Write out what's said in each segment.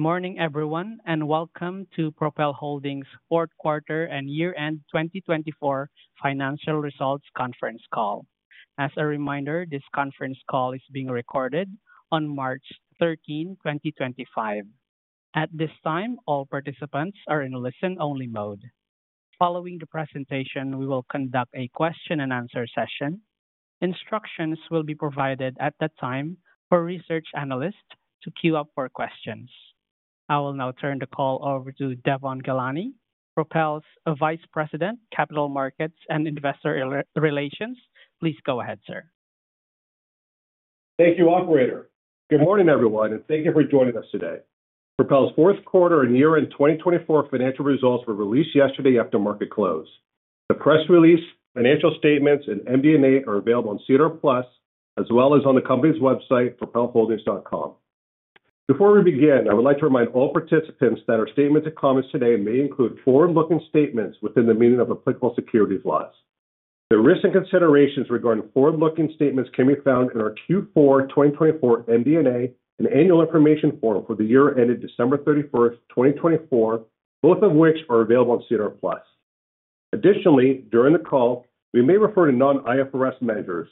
Good morning, everyone, and welcome to Propel Holdings' Fourth Quarter and Year-End 2024 Financial Results Conference Call. As a reminder, this conference call is being recorded on March 13, 2025. At this time, all participants are in listen-only mode. Following the presentation, we will conduct a question-and-answer session. Instructions will be provided at that time for research analysts to queue up for questions. I will now turn the call over to Devon Ghelani, Propel's Vice President, Capital Markets and Investor Relations. Please go ahead, sir. Thank you, Operator. Good morning, everyone, and thank you for joining us today. Propel's fourth quarter and year-end 2024 financial results were released yesterday after market close. The press release, financial statements, and MD&A are available on SEDAR+, as well as on the company's website, propelholdings.com. Before we begin, I would like to remind all participants that our statements and comments today may include forward-looking statements within the meaning of applicable securities laws. The risks and considerations regarding forward-looking statements can be found in our Q4 2024 MD&A and Annual Information Form for the year ended December 31, 2024, both of which are available on SEDAR+. Additionally, during the call, we may refer to non-IFRS measures.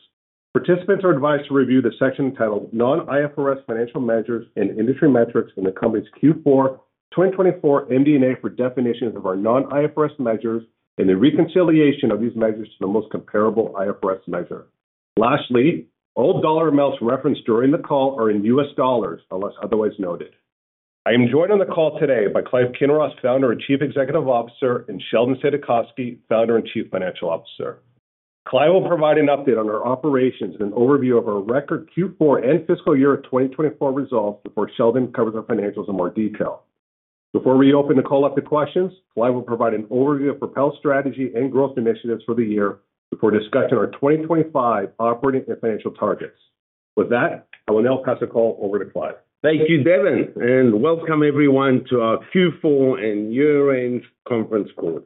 Participants are advised to review the section entitled Non-IFRS Financial Measures and Industry Metrics in the company's Q4 2024 MD&A for definitions of our non-IFRS measures and the reconciliation of these measures to the most comparable IFRS measure. Lastly, all dollar amounts referenced during the call are in U.S. dollars unless otherwise noted. I am joined on the call today by Clive Kinross, Founder and Chief Executive Officer, and Sheldon Saidakovsky, Founder and Chief Financial Officer. Clive will provide an update on our operations and an overview of our record Q4 and fiscal year 2024 results before Sheldon covers our financials in more detail. Before we open the call up to questions, Clive will provide an overview of Propel's strategy and growth initiatives for the year before discussing our 2025 operating and financial targets. With that, I will now pass the call over to Clive. Thank you, Devon, and welcome everyone to our Q4 and Year-End Conference Call.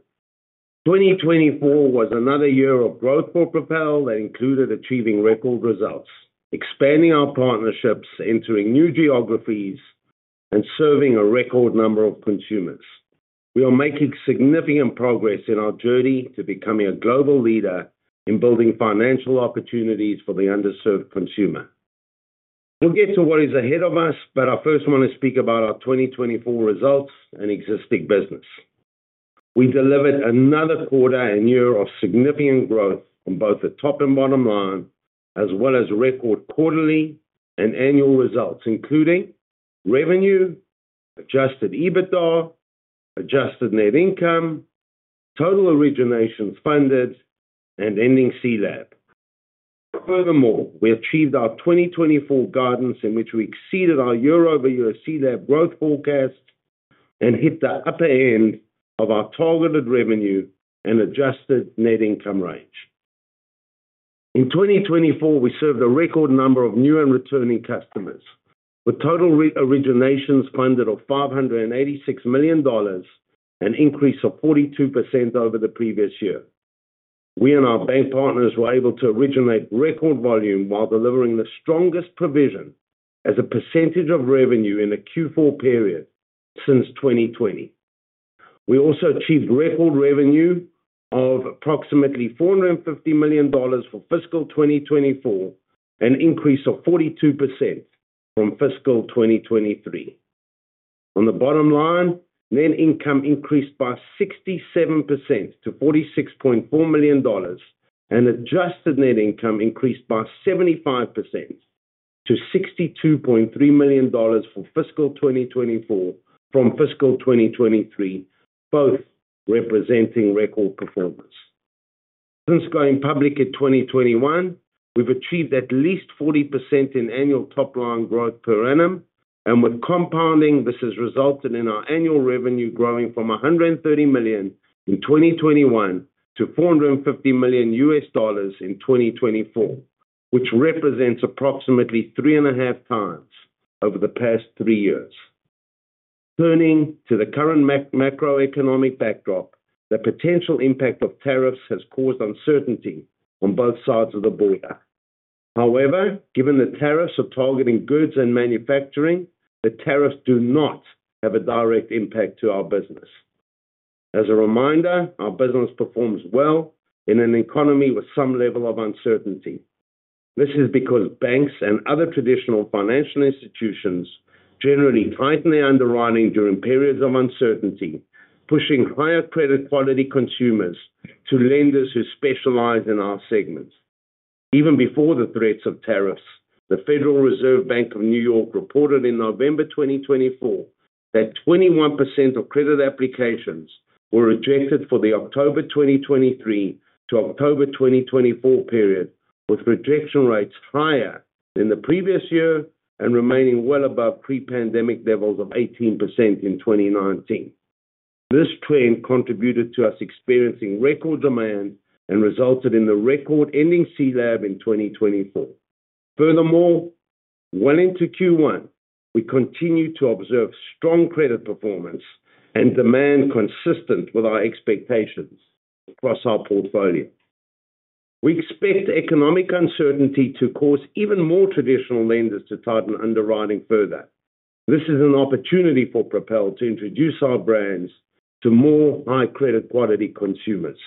2024 was another year of growth for Propel that included achieving record results, expanding our partnerships, entering new geographies, and serving a record number of consumers. We are making significant progress in our journey to becoming a global leader in building financial opportunities for the underserved consumer. We'll get to what is ahead of us, but I first want to speak about our 2024 results and existing business. We delivered another quarter and year of significant growth on both the top and bottom line, as well as record quarterly and annual results, including revenue, adjusted EBITDA, adjusted net income, total originations funded, and ending CLAB. Furthermore, we achieved our 2024 guidance in which we exceeded our year-over-year CLAB growth forecast and hit the upper end of our targeted revenue and adjusted net income range. In 2024, we served a record number of new and returning customers with total originations funded of $586 million and an increase of 42% over the previous year. We and our bank partners were able to originate record volume while delivering the strongest provision as a percentage of revenue in the Q4 period since 2020. We also achieved record revenue of approximately $450 million for fiscal 2024, an increase of 42% from fiscal 2023. On the bottom line, net income increased by 67% to $46.4 million and adjusted net income increased by 75% to $62.3 million for fiscal 2024 from fiscal 2023, both representing record performance. Since going public in 2021, we've achieved at least 40% in annual top-line growth per annum, and with compounding, this has resulted in our annual revenue growing from $130 million in 2021 to $450 million in 2024, which represents approximately three and a half times over the past three years. Turning to the current macroeconomic backdrop, the potential impact of tariffs has caused uncertainty on both sides of the border. However, given the tariffs are targeting goods and manufacturing, the tariffs do not have a direct impact on our business. As a reminder, our business performs well in an economy with some level of uncertainty. This is because banks and other traditional financial institutions generally tighten their underwriting during periods of uncertainty, pushing higher credit quality consumers to lenders who specialize in our segments. Even before the threats of tariffs, the Federal Reserve Bank of New York reported in November 2024 that 21% of credit applications were rejected for the October 2023 to October 2024 period, with rejection rates higher than the previous year and remaining well above pre-pandemic levels of 18% in 2019. This trend contributed to us experiencing record demand and resulted in the record ending CLAB in 2024. Furthermore, well into Q1, we continue to observe strong credit performance and demand consistent with our expectations across our portfolio. We expect economic uncertainty to cause even more traditional lenders to tighten underwriting further. This is an opportunity for Propel to introduce our brands to more high credit quality consumers.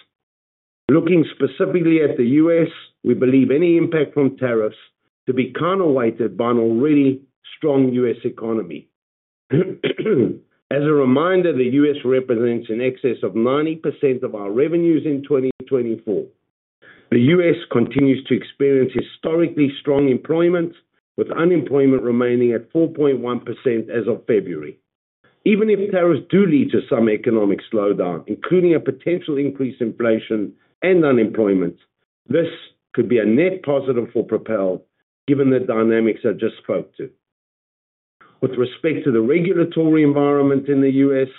Looking specifically at the U.S., we believe any impact from tariffs to be counterweighted by an already strong U.S. economy. As a reminder, the U.S. represents an excess of 90% of our revenues in 2024. The U.S. continues to experience historically strong employment, with unemployment remaining at 4.1% as of February. Even if tariffs do lead to some economic slowdown, including a potential increase in inflation and unemployment, this could be a net positive for Propel, given the dynamics I just spoke to. With respect to the regulatory environment in the U.S.,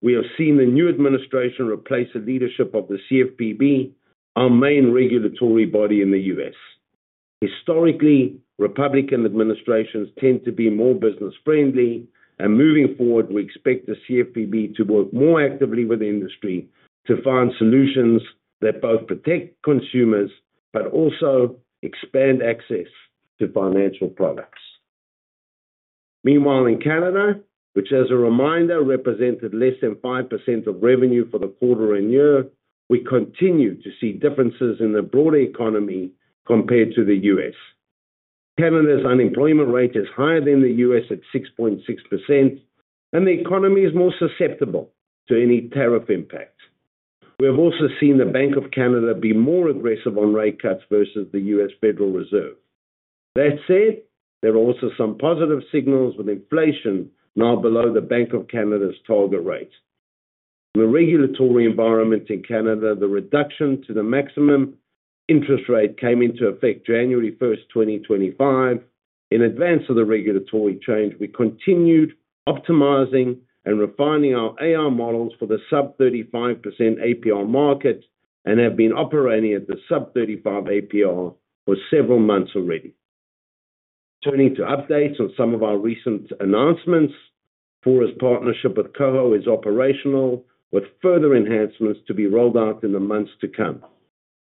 we have seen the new administration replace the leadership of the CFPB, our main regulatory body in the U.S. Historically, Republican administrations tend to be more business-friendly, and moving forward, we expect the CFPB to work more actively with the industry to find solutions that both protect consumers but also expand access to financial products. Meanwhile, in Canada, which, as a reminder, represented less than 5% of revenue for the quarter and year, we continue to see differences in the broader economy compared to the U.S. Canada's unemployment rate is higher than the U.S. at 6.6%, and the economy is more susceptible to any tariff impact. We have also seen the Bank of Canada be more aggressive on rate cuts versus the U.S. Federal Reserve. That said, there are also some positive signals with inflation now below the Bank of Canada's target rate. In the regulatory environment in Canada, the reduction to the maximum interest rate came into effect January 1, 2025, in advance of the regulatory change. We continued optimizing and refining our AI models for the sub-35% APR market and have been operating at the sub-35% APR for several months already. Turning to updates on some of our recent announcements, Fora's partnership with Koho is operational, with further enhancements to be rolled out in the months to come.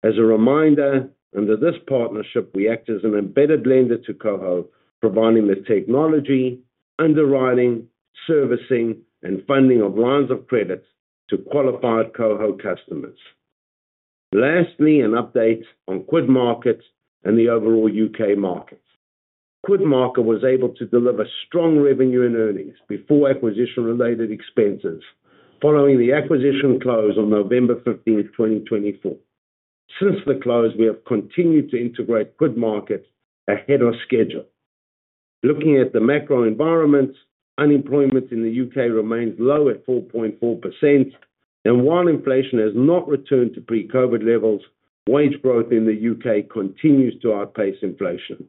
As a reminder, under this partnership, we act as an embedded lender to Koho, providing the technology, underwriting, servicing, and funding of lines of credit to qualified Koho customers. Lastly, an update on QuidMarket and the overall U.K. markets. QuidMarket was able to deliver strong revenue and earnings before acquisition-related expenses following the acquisition close on November 15, 2024. Since the close, we have continued to integrate QuidMarket ahead of schedule. Looking at the macro environment, unemployment in the U.K. remains low at 4.4%, and while inflation has not returned to pre-COVID levels, wage growth in the U.K. continues to outpace inflation.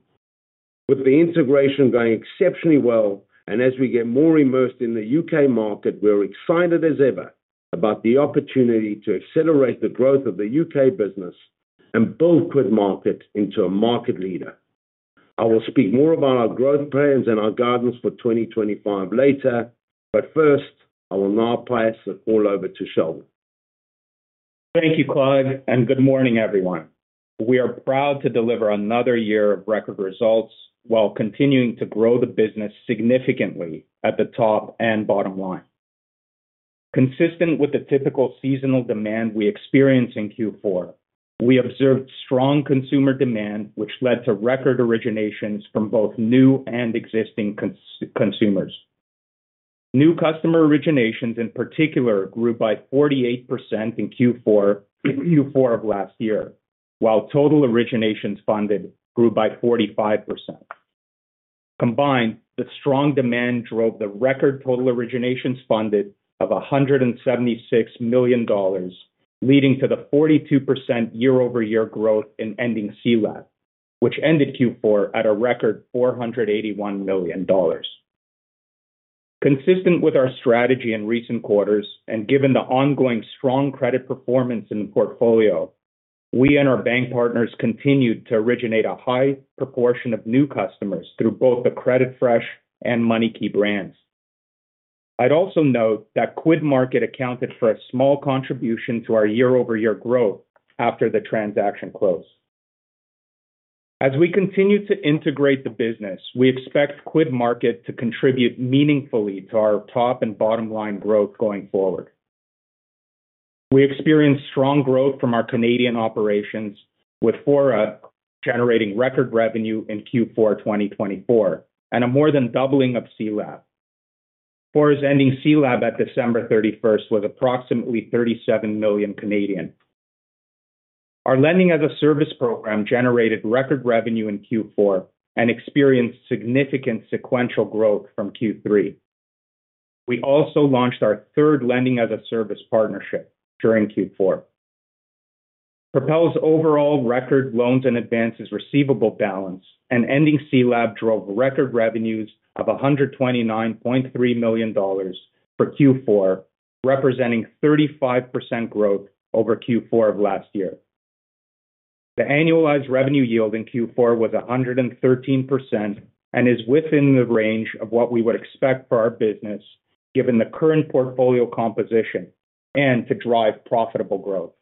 With the integration going exceptionally well and as we get more immersed in the U.K. market, we're excited as ever about the opportunity to accelerate the growth of the U.K. business and build QuidMarket into a market leader. I will speak more about our growth plans and our guidance for 2025 later, but first, I will now pass the call over to Sheldon. Thank you, Clive, and good morning, everyone. We are proud to deliver another year of record results while continuing to grow the business significantly at the top and bottom line. Consistent with the typical seasonal demand we experience in Q4, we observed strong consumer demand, which led to record originations from both new and existing consumers. New customer originations, in particular, grew by 48% in Q4 of last year, while total originations funded grew by 45%. Combined, the strong demand drove the record total originations funded of $176 million, leading to the 42% year-over-year growth in ending CLAB, which ended Q4 at a record $481 million. Consistent with our strategy in recent quarters, and given the ongoing strong credit performance in the portfolio, we and our bank partners continued to originate a high proportion of new customers through both the CreditFresh and MoneyKey brands. I'd also note that QuidMarket accounted for a small contribution to our year-over-year growth after the transaction close. As we continue to integrate the business, we expect QuidMarket to contribute meaningfully to our top and bottom line growth going forward. We experienced strong growth from our Canadian operations, with Fora generating record revenue in Q4 2024 and a more than doubling of CLAB. Fora's ending CLAB at December 31 was approximately 37 million. Our lending-as-a-service program generated record revenue in Q4 and experienced significant sequential growth from Q3. We also launched our third lending-as-a-service partnership during Q4. Propel's overall record loans and advances receivable balance and ending CLAB drove record revenues of $129.3 million for Q4, representing 35% growth over Q4 of last year. The annualized revenue yield in Q4 was 113% and is within the range of what we would expect for our business, given the current portfolio composition and to drive profitable growth.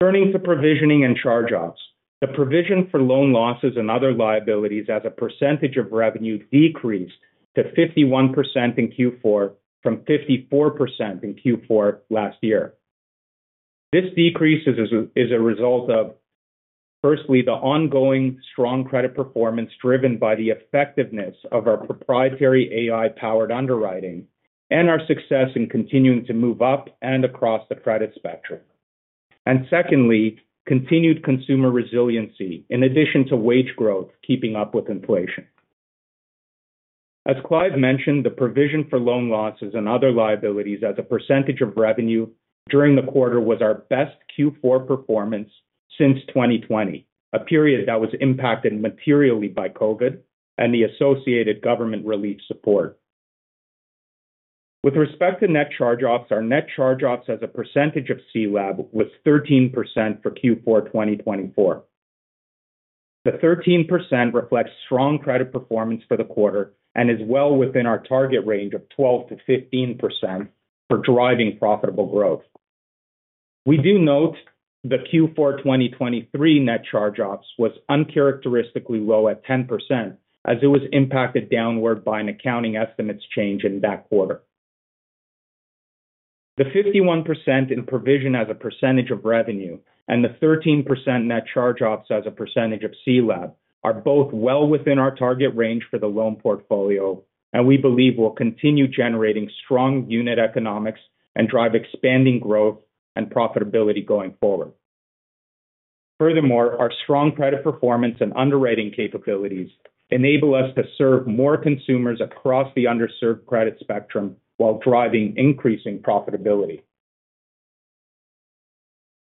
Turning to provisioning and charge-offs, the provision for loan losses and other liabilities as a percentage of revenue decreased to 51% in Q4 from 54% in Q4 last year. This decrease is a result of, firstly, the ongoing strong credit performance driven by the effectiveness of our proprietary AI-powered underwriting and our success in continuing to move up and across the credit spectrum. Secondly, continued consumer resiliency in addition to wage growth keeping up with inflation. As Clive mentioned, the provision for loan losses and other liabilities as a percentage of revenue during the quarter was our best Q4 performance since 2020, a period that was impacted materially by COVID and the associated government relief support. With respect to net charge-offs, our net charge-offs as a percentage of CLAB was 13% for Q4 2024. The 13% reflects strong credit performance for the quarter and is well within our target range of 12%-15% for driving profitable growth. We do note the Q4 2023 net charge-offs was uncharacteristically low at 10%, as it was impacted downward by an accounting estimates change in that quarter. The 51% in provision as a percentage of revenue and the 13% net charge-offs as a percentage of CLAB are both well within our target range for the loan portfolio, and we believe we'll continue generating strong unit economics and drive expanding growth and profitability going forward. Furthermore, our strong credit performance and underwriting capabilities enable us to serve more consumers across the underserved credit spectrum while driving increasing profitability.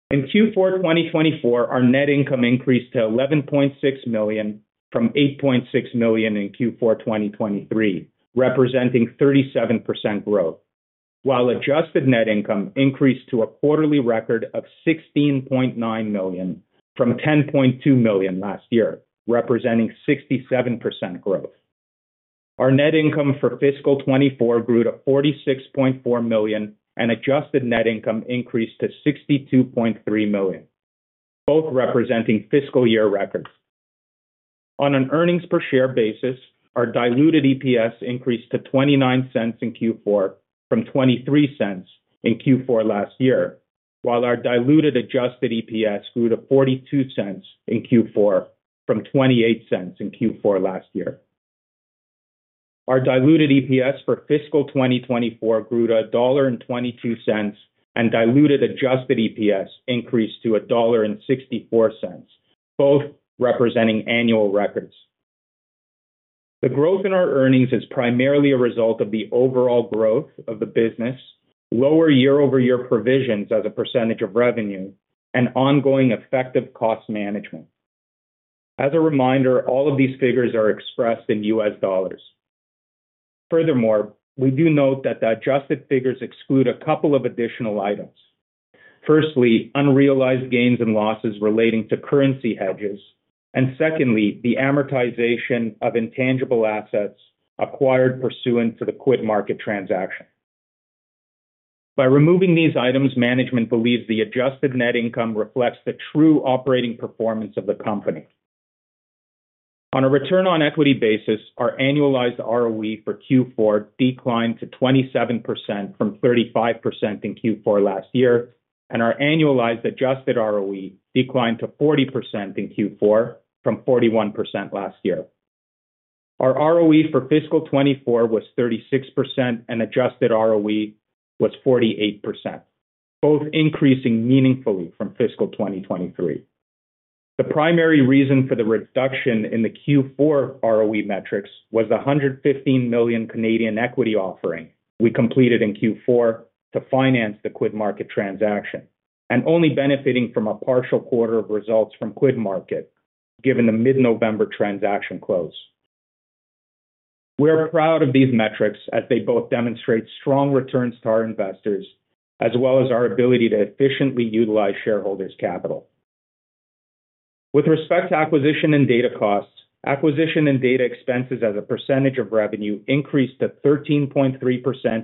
In Q4 2024, our net income increased to $11.6 million from $8.6 million in Q4 2023, representing 37% growth, while adjusted net income increased to a quarterly record of $16.9 million from $10.2 million last year, representing 67% growth. Our net income for fiscal 2024 grew to $46.4 million and adjusted net income increased to $62.3 million, both representing fiscal year records. On an earnings-per-share basis, our diluted EPS increased to $0.29 in Q4 from $0.23 in Q4 last year, while our diluted adjusted EPS grew to $0.42 in Q4 from $0.28 in Q4 last year. Our diluted EPS for fiscal 2024 grew to $1.22, and diluted adjusted EPS increased to $1.64, both representing annual records. The growth in our earnings is primarily a result of the overall growth of the business, lower year-over-year provisions as a percentage of revenue, and ongoing effective cost management. As a reminder, all of these figures are expressed in U.S. dollars. Furthermore, we do note that the adjusted figures exclude a couple of additional items. Firstly, unrealized gains and losses relating to currency hedges, and secondly, the amortization of intangible assets acquired pursuant to the QuidMarket transaction. By removing these items, management believes the adjusted net income reflects the true operating performance of the company. On a return on equity basis, our annualized ROE for Q4 declined to 27% from 35% in Q4 last year, and our annualized adjusted ROE declined to 40% in Q4 from 41% last year. Our ROE for fiscal 2024 was 36%, and adjusted ROE was 48%, both increasing meaningfully from fiscal 2023. The primary reason for the reduction in the Q4 ROE metrics was the 115 million equity offering we completed in Q4 to finance the QuidMarket transaction, and only benefiting from a partial quarter of results from QuidMarket given the mid-November transaction close. We are proud of these metrics as they both demonstrate strong returns to our investors as well as our ability to efficiently utilize shareholders' capital. With respect to acquisition and data costs, acquisition and data expenses as a percentage of revenue increased to 13.3%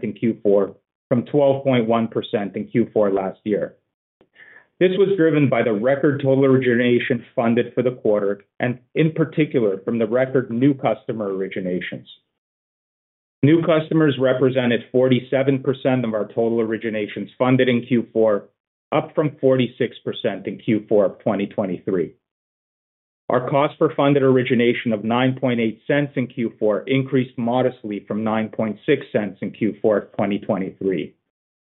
in Q4 from 12.1% in Q4 last year. This was driven by the record total origination funded for the quarter, and in particular, from the record new customer originations. New customers represented 47% of our total originations funded in Q4, up from 46% in Q4 of 2023. Our cost per funded origination of $0.98 in Q4 increased modestly from $0.96 in Q4 of 2023.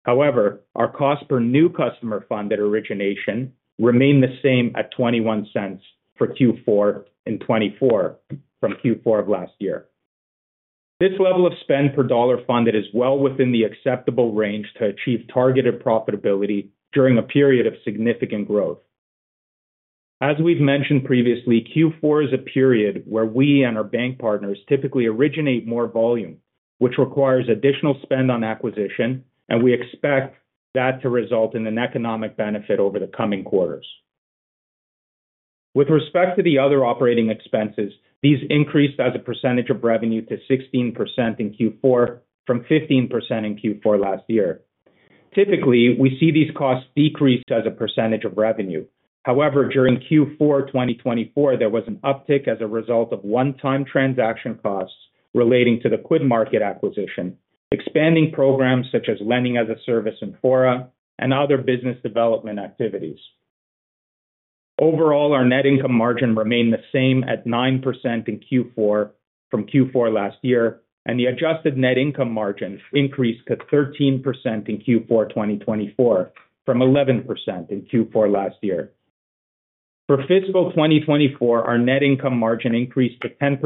However, our cost per new customer funded origination remained the same at $0.21 for Q4 in 2024 from Q4 of last year. This level of spend per dollar funded is well within the acceptable range to achieve targeted profitability during a period of significant growth. As we've mentioned previously, Q4 is a period where we and our bank partners typically originate more volume, which requires additional spend on acquisition, and we expect that to result in an economic benefit over the coming quarters. With respect to the other operating expenses, these increased as a percentage of revenue to 16% in Q4 from 15% in Q4 last year. Typically, we see these costs decrease as a percentage of revenue. However, during Q4 2024, there was an uptick as a result of one-time transaction costs relating to the QuidMarket acquisition, expanding programs such as lending-as-a-service in Fora and other business development activities. Overall, our net income margin remained the same at 9% in Q4 from Q4 last year, and the adjusted net income margin increased to 13% in Q4 2024 from 11% in Q4 last year. For fiscal 2024, our net income margin increased to 10%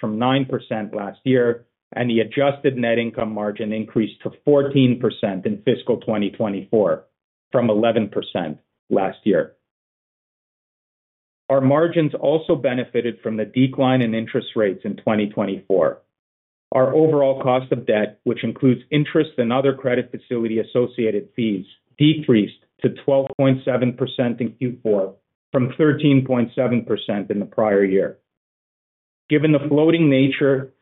from 9% last year, and the adjusted net income margin increased to 14% in fiscal 2024 from 11% last year. Our margins also benefited from the decline in interest rates in 2024. Our overall cost of debt, which includes interest and other credit facility-associated fees, decreased to 12.7% in Q4 from 13.7% in the prior year. Given the floating nature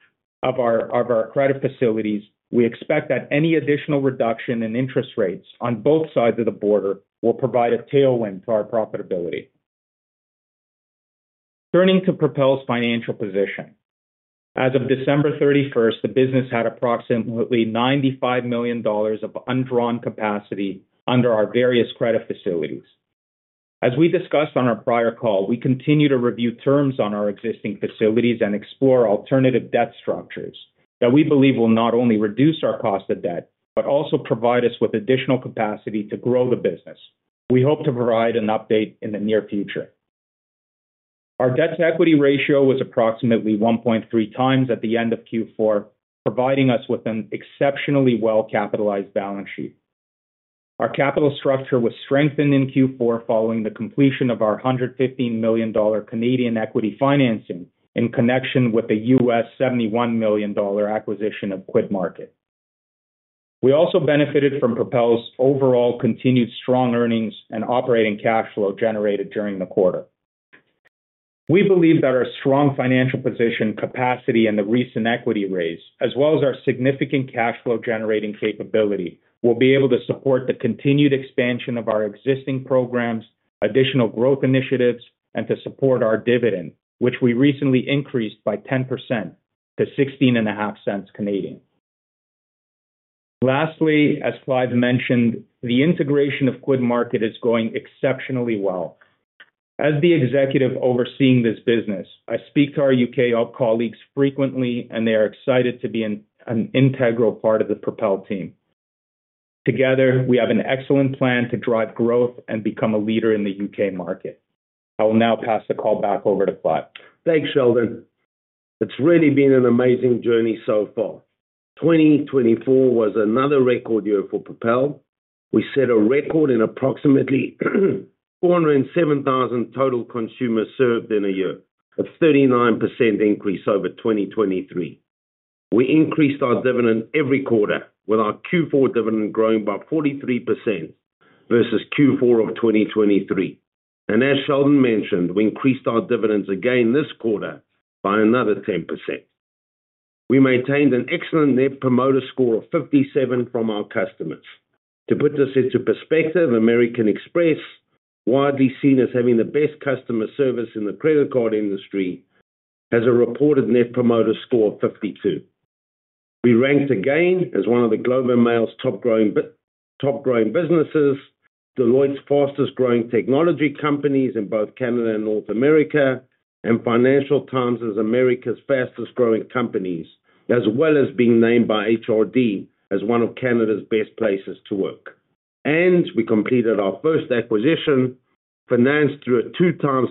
of our credit facilities, we expect that any additional reduction in interest rates on both sides of the border will provide a tailwind to our profitability. Turning to Propel's financial position, as of December 31, the business had approximately $95 million of undrawn capacity under our various credit facilities. As we discussed on our prior call, we continue to review terms on our existing facilities and explore alternative debt structures that we believe will not only reduce our cost of debt, but also provide us with additional capacity to grow the business. We hope to provide an update in the near future. Our debt-to-equity ratio was approximately 1.3 times at the end of Q4, providing us with an exceptionally well-capitalized balance sheet. Our capital structure was strengthened in Q4 following the completion of our 115 million Canadian dollars Canadian equity financing in connection with the U.S. $71 million acquisition of QuidMarket. We also benefited from Propel's overall continued strong earnings and operating cash flow generated during the quarter. We believe that our strong financial position, capacity, and the recent equity raise, as well as our significant cash flow generating capability, will be able to support the continued expansion of our existing programs, additional growth initiatives, and to support our dividend, which we recently increased by 10% to 0.16. Lastly, as Clive mentioned, the integration of QuidMarket is going exceptionally well. As the executive overseeing this business, I speak to our U.K. colleagues frequently, and they are excited to be an integral part of the Propel team. Together, we have an excellent plan to drive growth and become a leader in the U.K. market. I will now pass the call back over to Clive. Thanks, Sheldon. It’s really been an amazing journey so far. 2024 was another record year for Propel. We set a record in approximately 407,000 total consumers served in a year, a 39% increase over 2023. We increased our dividend every quarter, with our Q4 dividend growing by 43% versus Q4 of 2023. As Sheldon mentioned, we increased our dividends again this quarter by another 10%. We maintained an excellent net promoter score of 57 from our customers. To put this into perspective, American Express, widely seen as having the best customer service in the credit card industry, has a reported net promoter score of 52. We ranked again as one of the Globe and Mail's top-growing businesses, Deloitte's fastest-growing technology companies in both Canada and North America, and Financial Times as America's fastest-growing companies, as well as being named by HRD as one of Canada's best places to work. We completed our first acquisition, financed through a two-times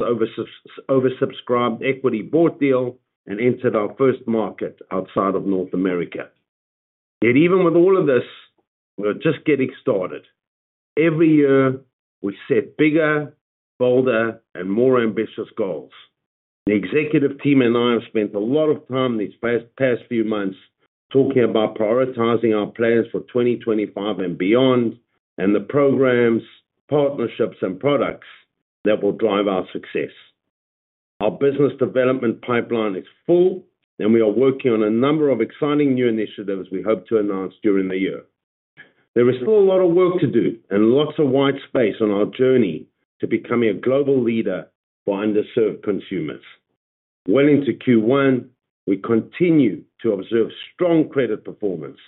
oversubscribed equity bought deal, and entered our first market outside of North America. Yet even with all of this, we're just getting started. Every year, we set bigger, bolder, and more ambitious goals. The executive team and I have spent a lot of time these past few months talking about prioritizing our plans for 2025 and beyond, and the programs, partnerships, and products that will drive our success. Our business development pipeline is full, and we are working on a number of exciting new initiatives we hope to announce during the year. There is still a lot of work to do and lots of white space on our journey to becoming a global leader for underserved consumers. Into Q1, we continue to observe strong credit performance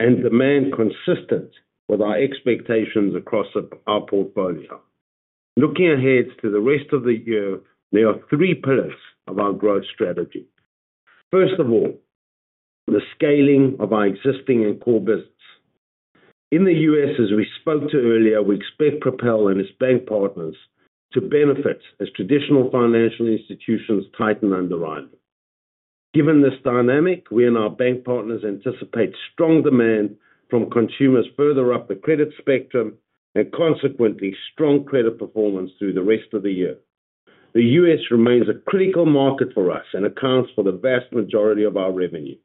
and demand consistent with our expectations across our portfolio. Looking ahead to the rest of the year, there are three pillars of our growth strategy. First of all, the scaling of our existing and core business. In the U.S., as we spoke to earlier, we expect Propel and its bank partners to benefit as traditional financial institutions tighten underwriting. Given this dynamic, we and our bank partners anticipate strong demand from consumers further up the credit spectrum and consequently strong credit performance through the rest of the year. The U.S. remains a critical market for us and accounts for the vast majority of our revenue.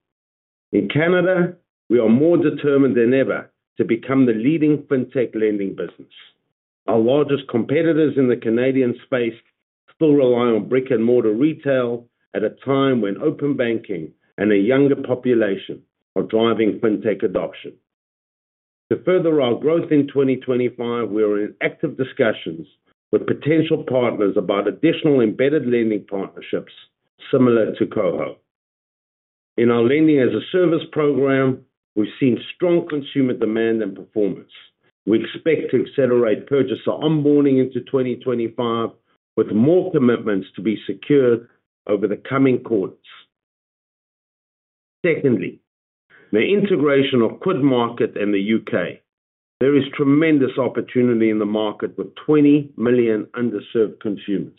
In Canada, we are more determined than ever to become the leading fintech lending business. Our largest competitors in the Canadian space still rely on brick-and-mortar retail at a time when open banking and a younger population are driving fintech adoption. To further our growth in 2025, we are in active discussions with potential partners about additional embedded lending partnerships similar to Koho. In our lending-as-a-service program, we've seen strong consumer demand and performance. We expect to accelerate purchaser onboarding into 2025 with more commitments to be secured over the coming quarters. Secondly, the integration of QuidMarket and the U.K. There is tremendous opportunity in the market with 20 million underserved consumers.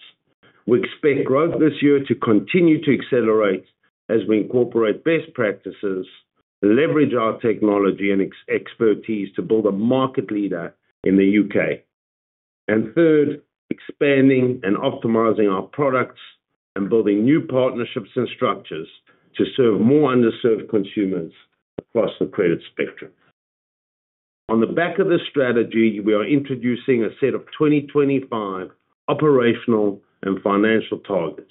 We expect growth this year to continue to accelerate as we incorporate best practices, leverage our technology and expertise to build a market leader in the U.K. Third, expanding and optimizing our products and building new partnerships and structures to serve more underserved consumers across the credit spectrum. On the back of this strategy, we are introducing a set of 2025 operational and financial targets.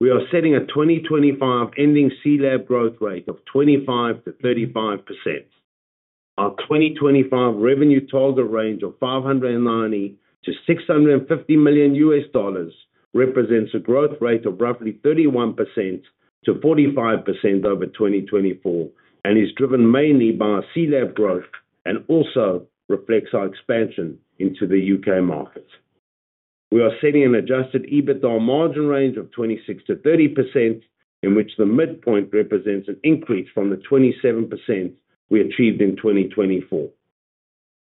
We are setting a 2025 ending CLAB growth rate of 25%-35%. Our 2025 revenue target range of $590 million-$650 million represents a growth rate of roughly 31%-45% over 2024 and is driven mainly by our CLAB growth and also reflects our expansion into the U.K. market. We are setting an adjusted EBITDA margin range of 26%-30%, in which the midpoint represents an increase from the 27% we achieved in 2024.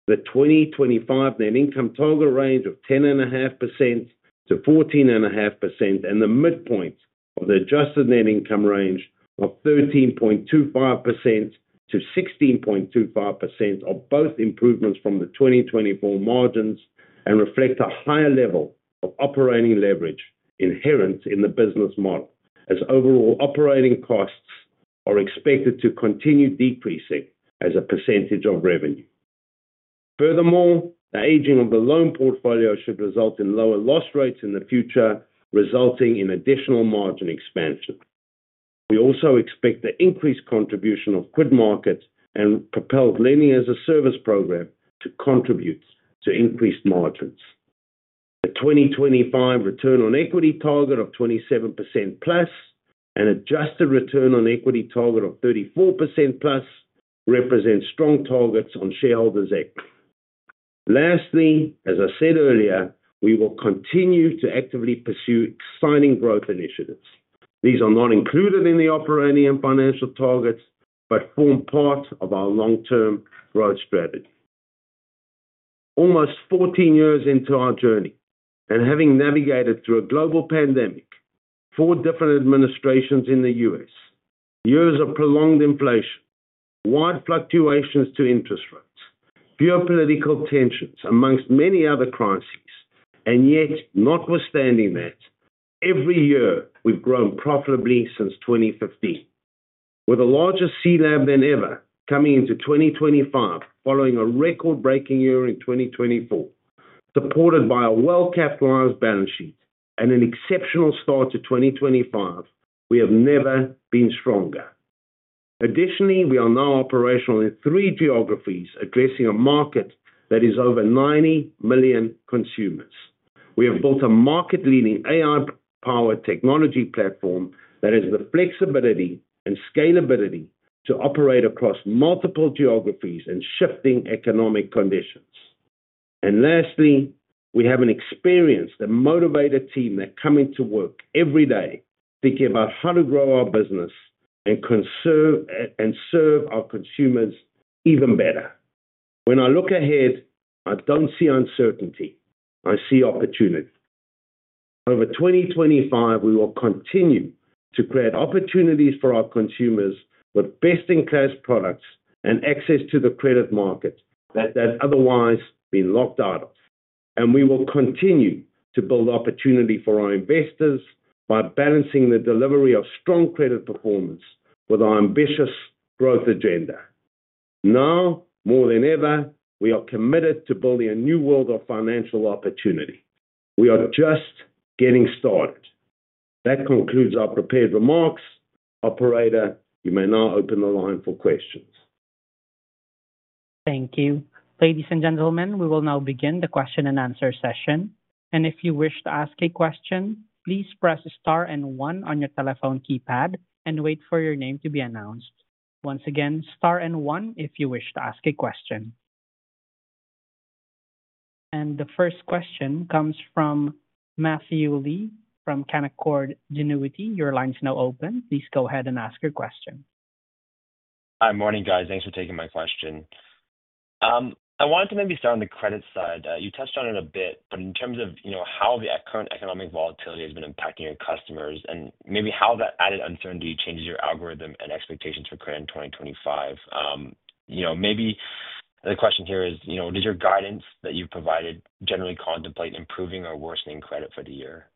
The 2025 net income target range of 10.5%-14.5% and the midpoint of the adjusted net income range of 13.25%-16.25% are both improvements from the 2024 margins and reflect a higher level of operating leverage inherent in the business model, as overall operating costs are expected to continue decreasing as a percentage of revenue. Furthermore, the aging of the loan portfolio should result in lower loss rates in the future, resulting in additional margin expansion. We also expect the increased contribution of QuidMarket and Propel's lending-as-a-service program to contribute to increased margins. The 2025 return on equity target of 27% plus and adjusted return on equity target of 34% plus represent strong targets on shareholders' equity. Lastly, as I said earlier, we will continue to actively pursue exciting growth initiatives. These are not included in the operating and financial targets but form part of our long-term growth strategy. Almost 14 years into our journey and having navigated through a global pandemic, four different administrations in the U.S., years of prolonged inflation, wide fluctuations to interest rates, geopolitical tensions amongst many other crises, and yet, notwithstanding that, every year we've grown profitably since 2015. With a larger CLAB than ever coming into 2025, following a record-breaking year in 2024, supported by a well-capitalized balance sheet and an exceptional start to 2025, we have never been stronger. Additionally, we are now operational in three geographies, addressing a market that is over 90 million consumers. We have built a market-leading AI-powered technology platform that has the flexibility and scalability to operate across multiple geographies and shifting economic conditions. Lastly, we have an experienced and motivated team that come into work every day thinking about how to grow our business and serve our consumers even better. When I look ahead, I do not see uncertainty; I see opportunity. Over 2025, we will continue to create opportunities for our consumers with best-in-class products and access to the credit market that has otherwise been locked out of. We will continue to build opportunity for our investors by balancing the delivery of strong credit performance with our ambitious growth agenda. Now, more than ever, we are committed to building a new world of financial opportunity. We are just getting started. That concludes our prepared remarks. Operator, you may now open the line for questions. Thank you. Ladies and gentlemen, we will now begin the question-and-answer session. If you wish to ask a question, please press star and one on your telephone keypad and wait for your name to be announced. Once again, star and one if you wish to ask a question. The first question comes from Matthew Lee from Canaccord Genuity. Your line is now open. Please go ahead and ask your question. Hi, morning, guys. Thanks for taking my question. I wanted to maybe start on the credit side. You touched on it a bit, but in terms of how the current economic volatility has been impacting your customers and maybe how that added uncertainty changes your algorithm and expectations for credit in 2025, maybe the question here is, does your guidance that you've provided generally contemplate improving or worsening credit for the year?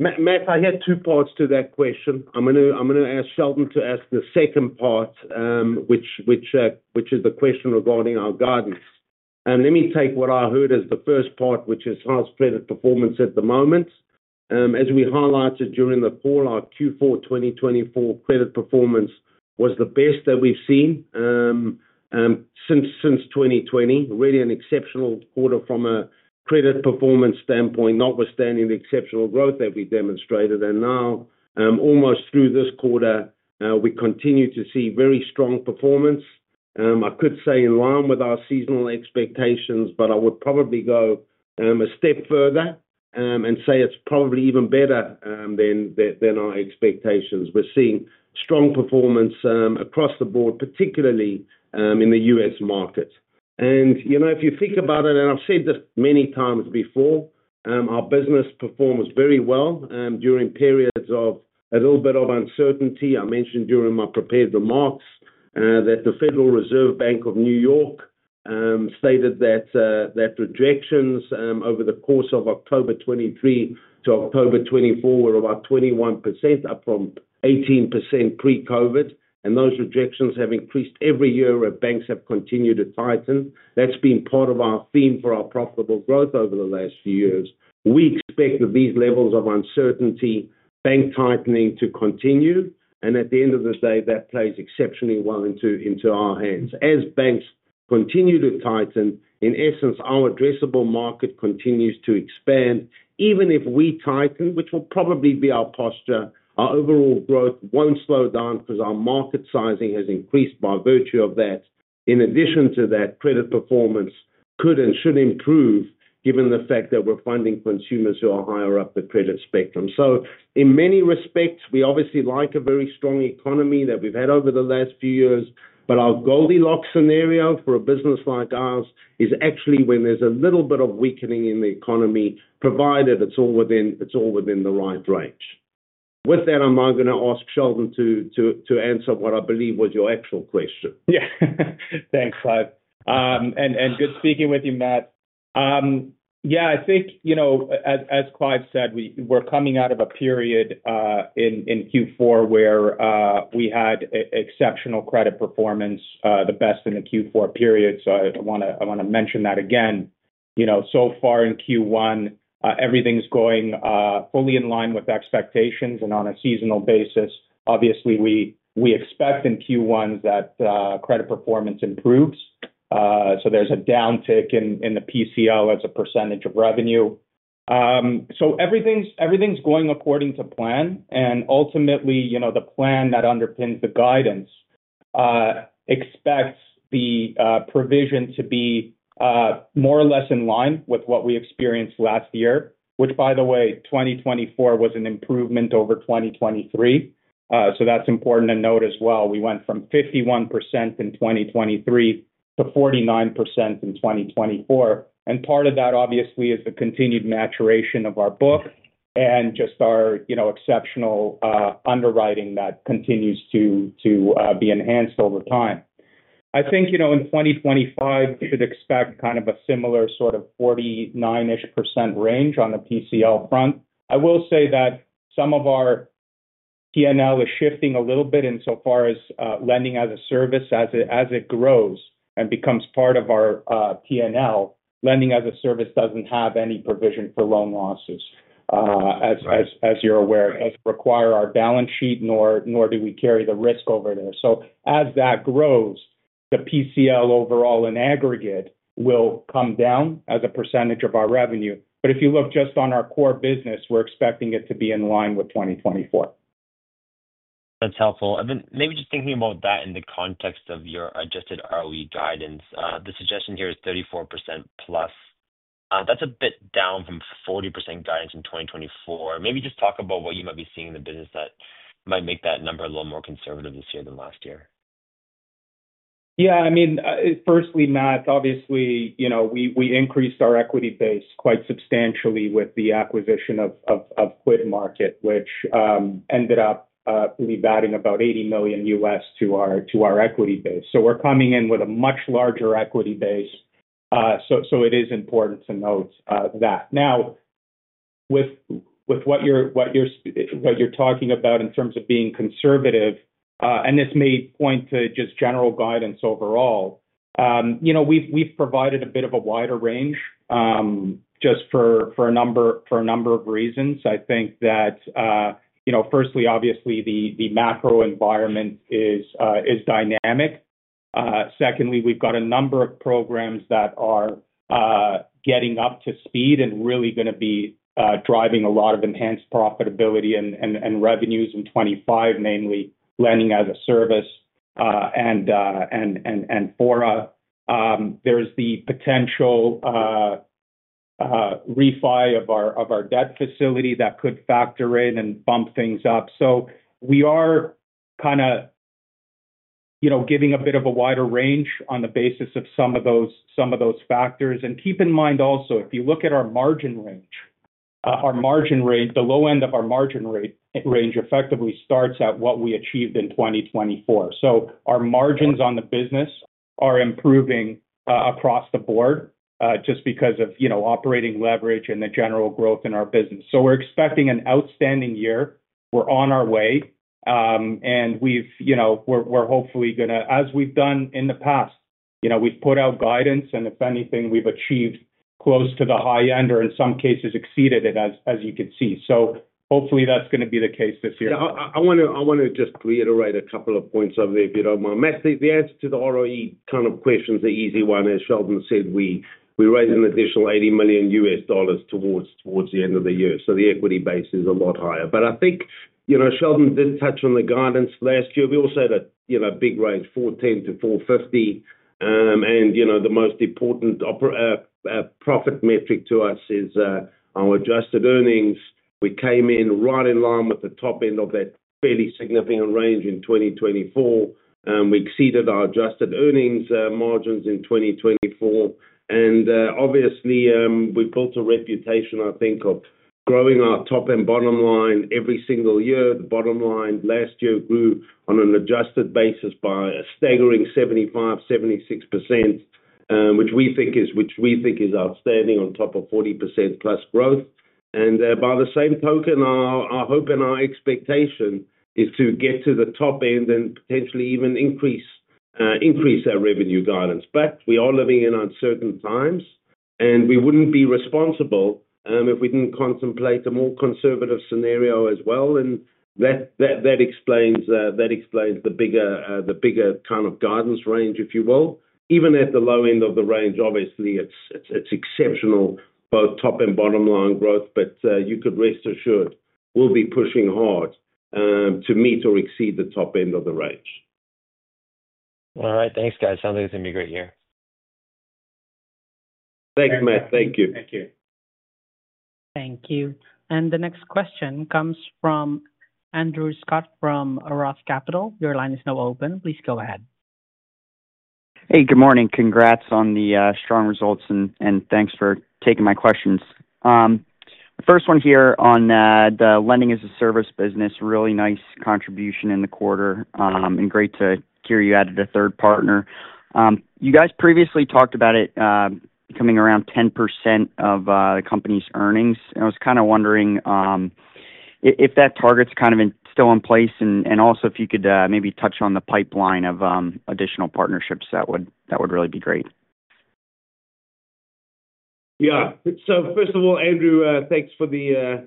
Matt, I had two parts to that question. I'm going to ask Sheldon to ask the second part, which is the question regarding our guidance. Let me take what I heard as the first part, which is how's credit performance at the moment. As we highlighted during the call, our Q4 2024 credit performance was the best that we've seen since 2020, really an exceptional quarter from a credit performance standpoint, notwithstanding the exceptional growth that we demonstrated. Now, almost through this quarter, we continue to see very strong performance. I could say in line with our seasonal expectations, but I would probably go a step further and say it's probably even better than our expectations. We're seeing strong performance across the board, particularly in the U.S. market. If you think about it, and I've said this many times before, our business performs very well during periods of a little bit of uncertainty. I mentioned during my prepared remarks that the Federal Reserve Bank of New York stated that rejections over the course of October 2023 to October 2024 were about 21%, up from 18% pre-COVID. Those rejections have increased every year where banks have continued to tighten. That's been part of our theme for our profitable growth over the last few years. We expect that these levels of uncertainty, bank tightening to continue. At the end of the day, that plays exceptionally well into our hands. As banks continue to tighten, in essence, our addressable market continues to expand. Even if we tighten, which will probably be our posture, our overall growth won't slow down because our market sizing has increased by virtue of that. In addition to that, credit performance could and should improve given the fact that we're funding consumers who are higher up the credit spectrum. In many respects, we obviously like a very strong economy that we've had over the last few years. Our Goldilocks scenario for a business like ours is actually when there's a little bit of weakening in the economy, provided it's all within the right range. With that, I'm now going to ask Sheldon to answer what I believe was your actual question. Yeah. Thanks, Clive. And good speaking with you, Matt. Yeah, I think, as Clive said, we're coming out of a period in Q4 where we had exceptional credit performance, the best in the Q4 period. I want to mention that again. So far in Q1, everything's going fully in line with expectations and on a seasonal basis. Obviously, we expect in Q1s that credit performance improves. There's a downtick in the PCL as a percentage of revenue. Everything's going according to plan. Ultimately, the plan that underpins the guidance expects the provision to be more or less in line with what we experienced last year, which, by the way, 2024 was an improvement over 2023. That's important to note as well. We went from 51% in 2023 to 49% in 2024. Part of that, obviously, is the continued maturation of our book and just our exceptional underwriting that continues to be enhanced over time. I think in 2025, we should expect kind of a similar sort of 49% range on the PCL front. I will say that some of our P&L is shifting a little bit insofar as lending-as-a-service. As it grows and becomes part of our P&L, lending-as-a-service does not have any provision for loan losses, as you are aware. It does not require our balance sheet, nor do we carry the risk over there. As that grows, the PCL overall in aggregate will come down as a percentage of our revenue. If you look just on our core business, we are expecting it to be in line with 2024. That is helpful. Maybe just thinking about that in the context of your adjusted ROE guidance, the suggestion here is 34% plus. That's a bit down from 40% guidance in 2024. Maybe just talk about what you might be seeing in the business that might make that number a little more conservative this year than last year. Yeah. I mean, firstly, Matt, obviously, we increased our equity base quite substantially with the acquisition of QuidMarket, which ended up, I believe, adding about $80 million to our equity base. So we're coming in with a much larger equity base. So it is important to note that. Now, with what you're talking about in terms of being conservative, and this may point to just general guidance overall, we've provided a bit of a wider range just for a number of reasons. I think that, firstly, obviously, the macro environment is dynamic. Secondly, we've got a number of programs that are getting up to speed and really going to be driving a lot of enhanced profitability and revenues in 2025, namely lending-as-a-service and Fora. There's the potential refi of our debt facility that could factor in and bump things up. We are kind of giving a bit of a wider range on the basis of some of those factors. Keep in mind also, if you look at our margin range, the low end of our margin range effectively starts at what we achieved in 2024. Our margins on the business are improving across the board just because of operating leverage and the general growth in our business. We're expecting an outstanding year. We're on our way. We're hopefully going to, as we've done in the past, we've put out guidance, and if anything, we've achieved close to the high end or, in some cases, exceeded it, as you can see. Hopefully, that's going to be the case this year. I want to just reiterate a couple of points of it. Matt, the answer to the ROE kind of questions, the easy one is, Sheldon said we raised an additional $80 million US dollars towards the end of the year. The equity base is a lot higher. I think Sheldon did touch on the guidance last year. We also had a big range, $410 million-$450 million. The most important profit metric to us is our adjusted earnings. We came in right in line with the top end of that fairly significant range in 2024. We exceeded our adjusted earnings margins in 2024. Obviously, we built a reputation, I think, of growing our top and bottom line every single year. The bottom line last year grew on an adjusted basis by a staggering 75%-76%, which we think is outstanding on top of 40% plus growth. By the same token, our hope and our expectation is to get to the top end and potentially even increase our revenue guidance. We are living in uncertain times, and we would not be responsible if we did not contemplate a more conservative scenario as well. That explains the bigger kind of guidance range, if you will. Even at the low end of the range, obviously, it is exceptional, both top and bottom line growth. You could rest assured we will be pushing hard to meet or exceed the top end of the range. All right. Thanks, guys. Sounds like it's going to be a great year. Thanks, Matt. Thank you. Thank you. Thank you. The next question comes from Andrew Scott from Roth Capital. Your line is now open. Please go ahead. Hey, good morning. Congrats on the strong results, and thanks for taking my questions. The first one here on the lending-as-a-service business, really nice contribution in the quarter, and great to hear you added a third partner. You guys previously talked about it becoming around 10% of the company's earnings. I was kind of wondering if that target's kind of still in place and also if you could maybe touch on the pipeline of additional partnerships. That would really be great. Yeah. First of all, Andrew, thanks for the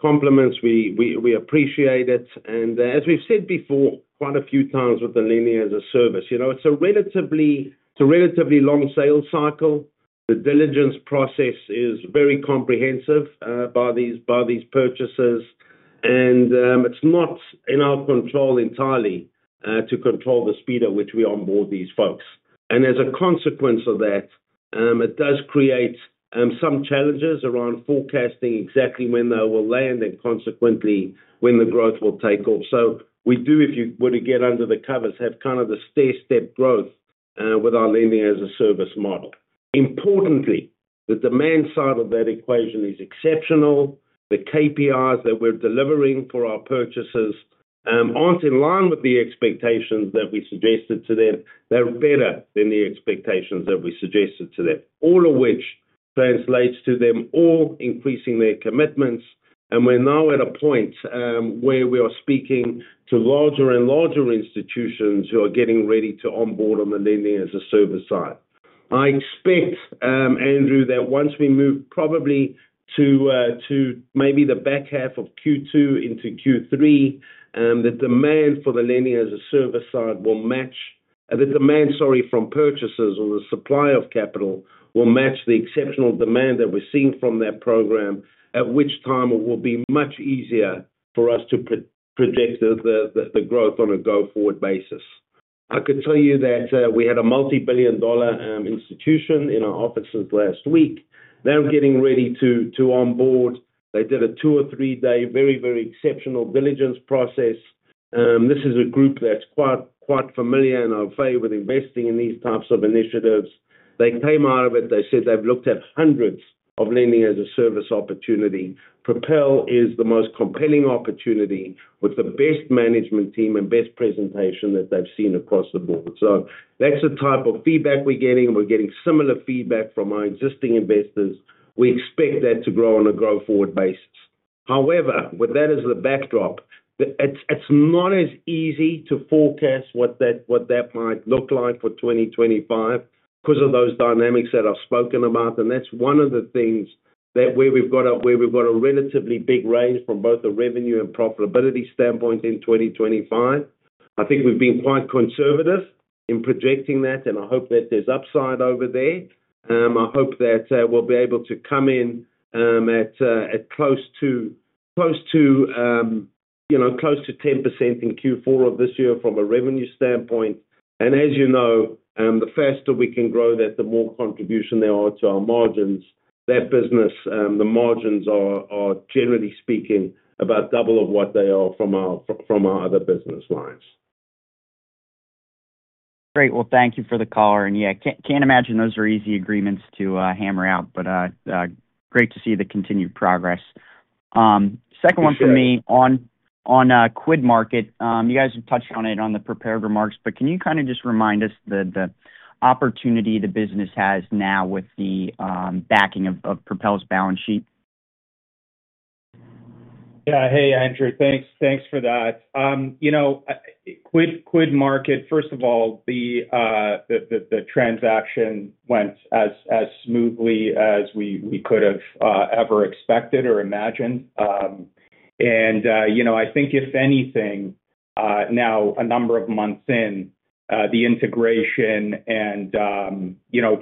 compliments. We appreciate it. As we've said before quite a few times with the lending-as-a-service, it's a relatively long sales cycle. The diligence process is very comprehensive by these purchases. It is not in our control entirely to control the speed at which we onboard these folks. As a consequence of that, it does create some challenges around forecasting exactly when they will land and consequently when the growth will take off. We do, if you were to get under the covers, have kind of the stair-step growth with our lending-as-a-service model. Importantly, the demand side of that equation is exceptional. The KPIs that we're delivering for our purchases aren't in line with the expectations that we suggested to them. They're better than the expectations that we suggested to them, all of which translates to them all increasing their commitments. We are now at a point where we are speaking to larger and larger institutions who are getting ready to onboard on the lending-as-a-service side. I expect, Andrew, that once we move probably to maybe the back half of Q2 into Q3, the demand for the lending-as-a-service side will match the demand, sorry, from purchasers or the supply of capital will match the exceptional demand that we're seeing from that program, at which time it will be much easier for us to predict the growth on a go-forward basis. I could tell you that we had a multi-billion dollar institution in our offices last week. They're getting ready to onboard. They did a two or three-day, very, very exceptional diligence process. This is a group that's quite familiar in our way with investing in these types of initiatives. They came out of it. They said they've looked at hundreds of lending-as-a-service opportunities. Propel is the most compelling opportunity with the best management team and best presentation that they've seen across the board. That's the type of feedback we're getting. We're getting similar feedback from our existing investors. We expect that to grow on a go-forward basis. However, with that as the backdrop, it's not as easy to forecast what that might look like for 2025 because of those dynamics that I've spoken about. That's one of the things where we've got a relatively big range from both the revenue and profitability standpoint in 2025. I think we've been quite conservative in projecting that, and I hope that there's upside over there. I hope that we'll be able to come in at close to 10% in Q4 of this year from a revenue standpoint. As you know, the faster we can grow that, the more contribution there are to our margins. That business, the margins are, generally speaking, about double of what they are from our other business lines. Great. Thank you for the call. Yeah, can't imagine those are easy agreements to hammer out, but great to see the continued progress. Second one for me on QuidMarket. You guys have touched on it on the prepared remarks, but can you kind of just remind us the opportunity the business has now with the backing of Propel's balance sheet? Yeah. Hey, Andrew. Thanks for that. QuidMarket, first of all, the transaction went as smoothly as we could have ever expected or imagined. I think, if anything, now a number of months in, the integration and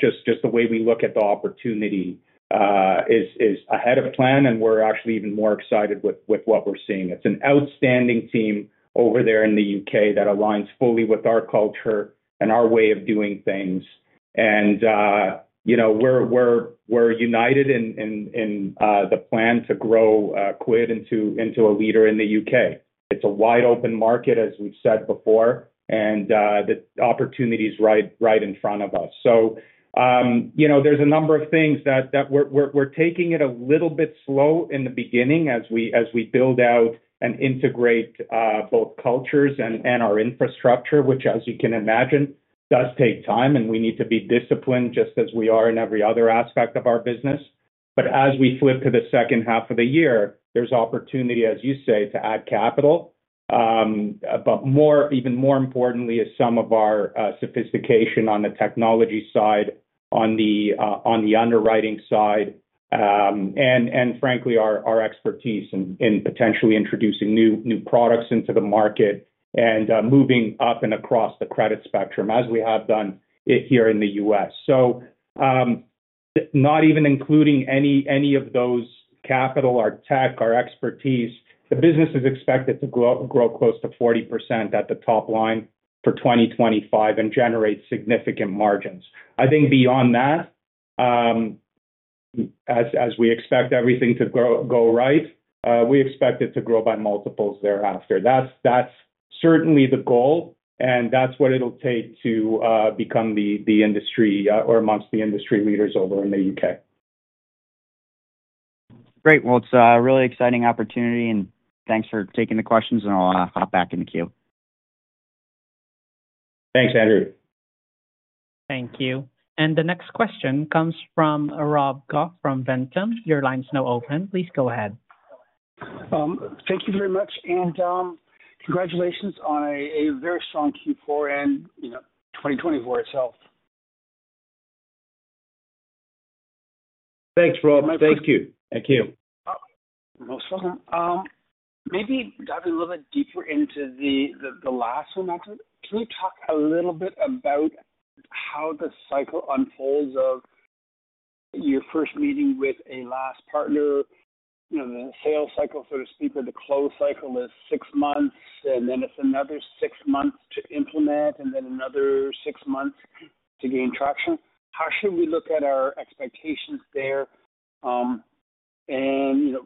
just the way we look at the opportunity is ahead of plan, and we're actually even more excited with what we're seeing. It's an outstanding team over there in the U.K. that aligns fully with our culture and our way of doing things. We are united in the plan to grow QuidMarket into a leader in the U.K. It is a wide open market, as we have said before, and the opportunity is right in front of us. There are a number of things that we are taking a little bit slow in the beginning as we build out and integrate both cultures and our infrastructure, which, as you can imagine, does take time, and we need to be disciplined just as we are in every other aspect of our business. As we flip to the second half of the year, there is opportunity, as you say, to add capital, but even more importantly is some of our sophistication on the technology side, on the underwriting side, and frankly, our expertise in potentially introducing new products into the market and moving up and across the credit spectrum as we have done here in the U.S. Not even including any of those capital, our tech, our expertise, the business is expected to grow close to 40% at the top line for 2025 and generate significant margins. I think beyond that, as we expect everything to go right, we expect it to grow by multiples thereafter. That is certainly the goal, and that is what it will take to become the industry or amongst the industry leaders over in the U.K. Great. It is a really exciting opportunity, and thanks for taking the questions, and I will hop back in the queue. Thanks, Andrew. Thank you. The next question comes from Rob Goff from Ventum. Your line is now open. Please go ahead. Thank you very much, and congratulations on a very strong Q4 and 2024 itself. Thanks, Rob. Thank you. Thank you. Most welcome. Maybe diving a little bit deeper into the last one, Matthew. Can you talk a little bit about how the cycle unfolds of your first meeting with a last partner, the sales cycle, so to speak, or the close cycle is six months, and then it's another six months to implement, and then another six months to gain traction? How should we look at our expectations there and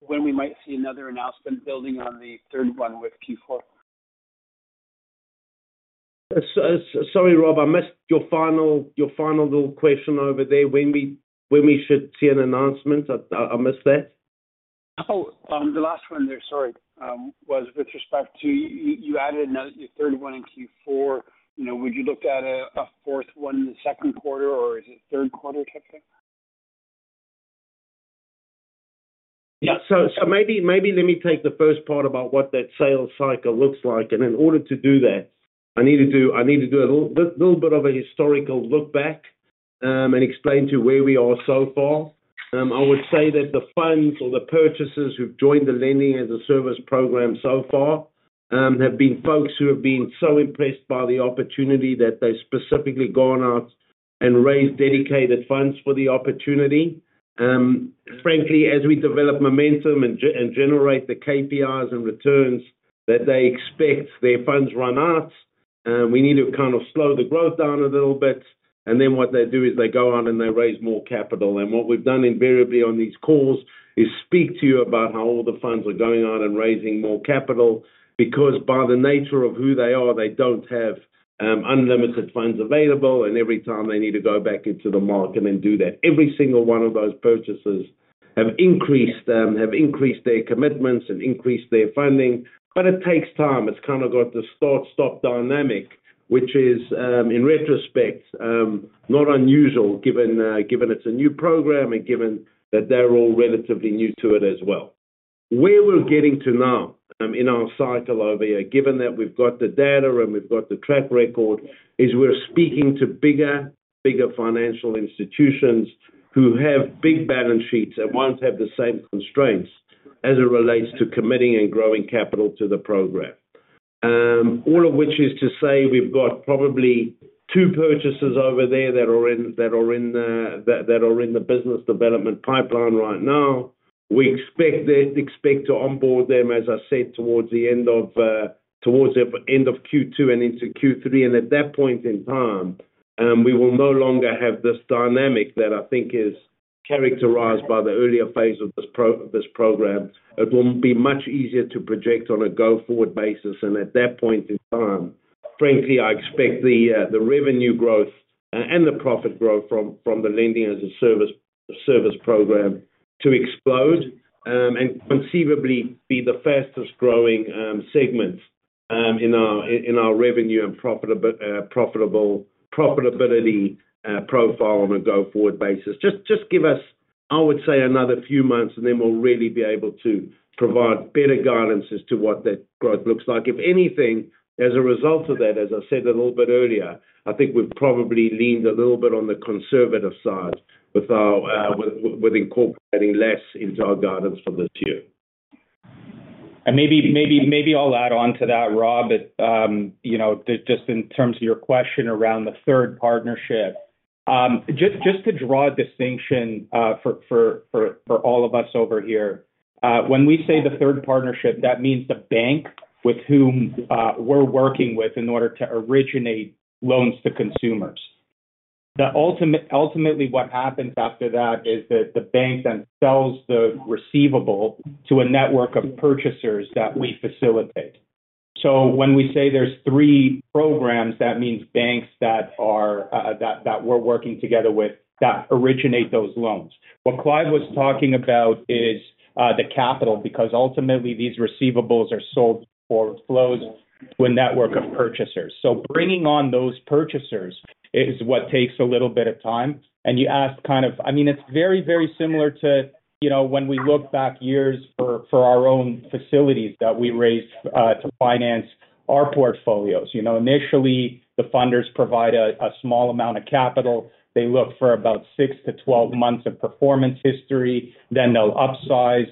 when we might see another announcement building on the third one with Q4? Sorry, Rob. I missed your final little question over there. When we should see an announcement? I missed that. Oh, the last one there, sorry, was with respect to you added a third one in Q4. Would you look at a fourth one in the second quarter, or is it third quarter type thing? Yeah. Maybe let me take the first part about what that sales cycle looks like. In order to do that, I need to do a little bit of a historical look back and explain to you where we are so far. I would say that the funds or the purchasers who've joined the lending-as-a-service program so far have been folks who have been so impressed by the opportunity that they've specifically gone out and raised dedicated funds for the opportunity. Frankly, as we develop momentum and generate the KPIs and returns that they expect, their funds run out, we need to kind of slow the growth down a little bit. What they do is they go out and they raise more capital. What we've done invariably on these calls is speak to you about how all the funds are going out and raising more capital because by the nature of who they are, they do not have unlimited funds available, and every time they need to go back into the market and do that. Every single one of those purchasers have increased their commitments and increased their funding, but it takes time. It has kind of got the start-stop dynamic, which is, in retrospect, not unusual given it is a new program and given that they are all relatively new to it as well. Where we are getting to now in our cycle over here, given that we have the data and we have the track record, is we are speaking to bigger financial institutions who have big balance sheets and will not have the same constraints as it relates to committing and growing capital to the program. All of which is to say we've got probably two purchasers over there that are in the business development pipeline right now. We expect to onboard them, as I said, towards the end of Q2 and into Q3. At that point in time, we will no longer have this dynamic that I think is characterized by the earlier phase of this program. It will be much easier to project on a go-forward basis. At that point in time, frankly, I expect the revenue growth and the profit growth from the lending-as-a-service program to explode and conceivably be the fastest growing segments in our revenue and profitability profile on a go-forward basis. Just give us, I would say, another few months, and then we'll really be able to provide better guidance as to what that growth looks like. If anything, as a result of that, as I said a little bit earlier, I think we've probably leaned a little bit on the conservative side with incorporating less into our guidance for this year. Maybe I'll add on to that, Rob, just in terms of your question around the third partnership. Just to draw a distinction for all of us over here, when we say the third partnership, that means the bank with whom we're working with in order to originate loans to consumers. Ultimately, what happens after that is that the bank then sells the receivable to a network of purchasers that we facilitate. When we say there's three programs, that means banks that we're working together with that originate those loans. What Clive was talking about is the capital because ultimately these receivables are sold or flows to a network of purchasers. Bringing on those purchasers is what takes a little bit of time. You asked kind of, I mean, it's very, very similar to when we look back years for our own facilities that we raised to finance our portfolios. Initially, the funders provide a small amount of capital. They look for about 6-12 months of performance history. Then they'll upsize.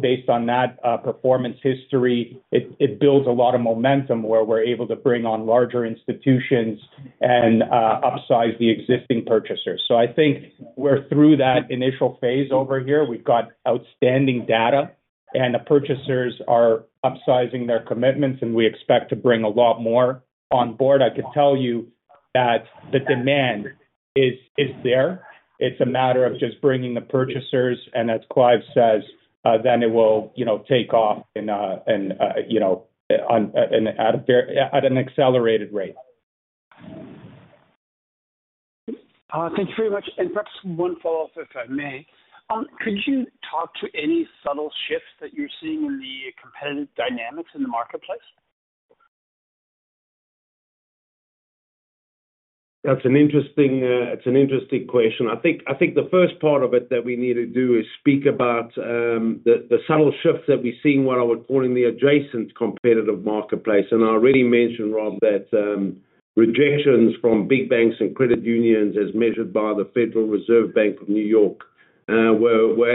Based on that performance history, it builds a lot of momentum where we're able to bring on larger institutions and upsize the existing purchasers. I think we're through that initial phase over here. We've got outstanding data, and the purchasers are upsizing their commitments, and we expect to bring a lot more on board. I can tell you that the demand is there. It's a matter of just bringing the purchasers. As Clive says, then it will take off at an accelerated rate. Thank you very much. Perhaps one follow-up, if I may. Could you talk to any subtle shifts that you're seeing in the competitive dynamics in the marketplace? That's an interesting question. I think the first part of it that we need to do is speak about the subtle shifts that we're seeing, what I would call in the adjacent competitive marketplace. I already mentioned, Rob, that rejections from big banks and credit unions as measured by the Federal Reserve Bank of New York were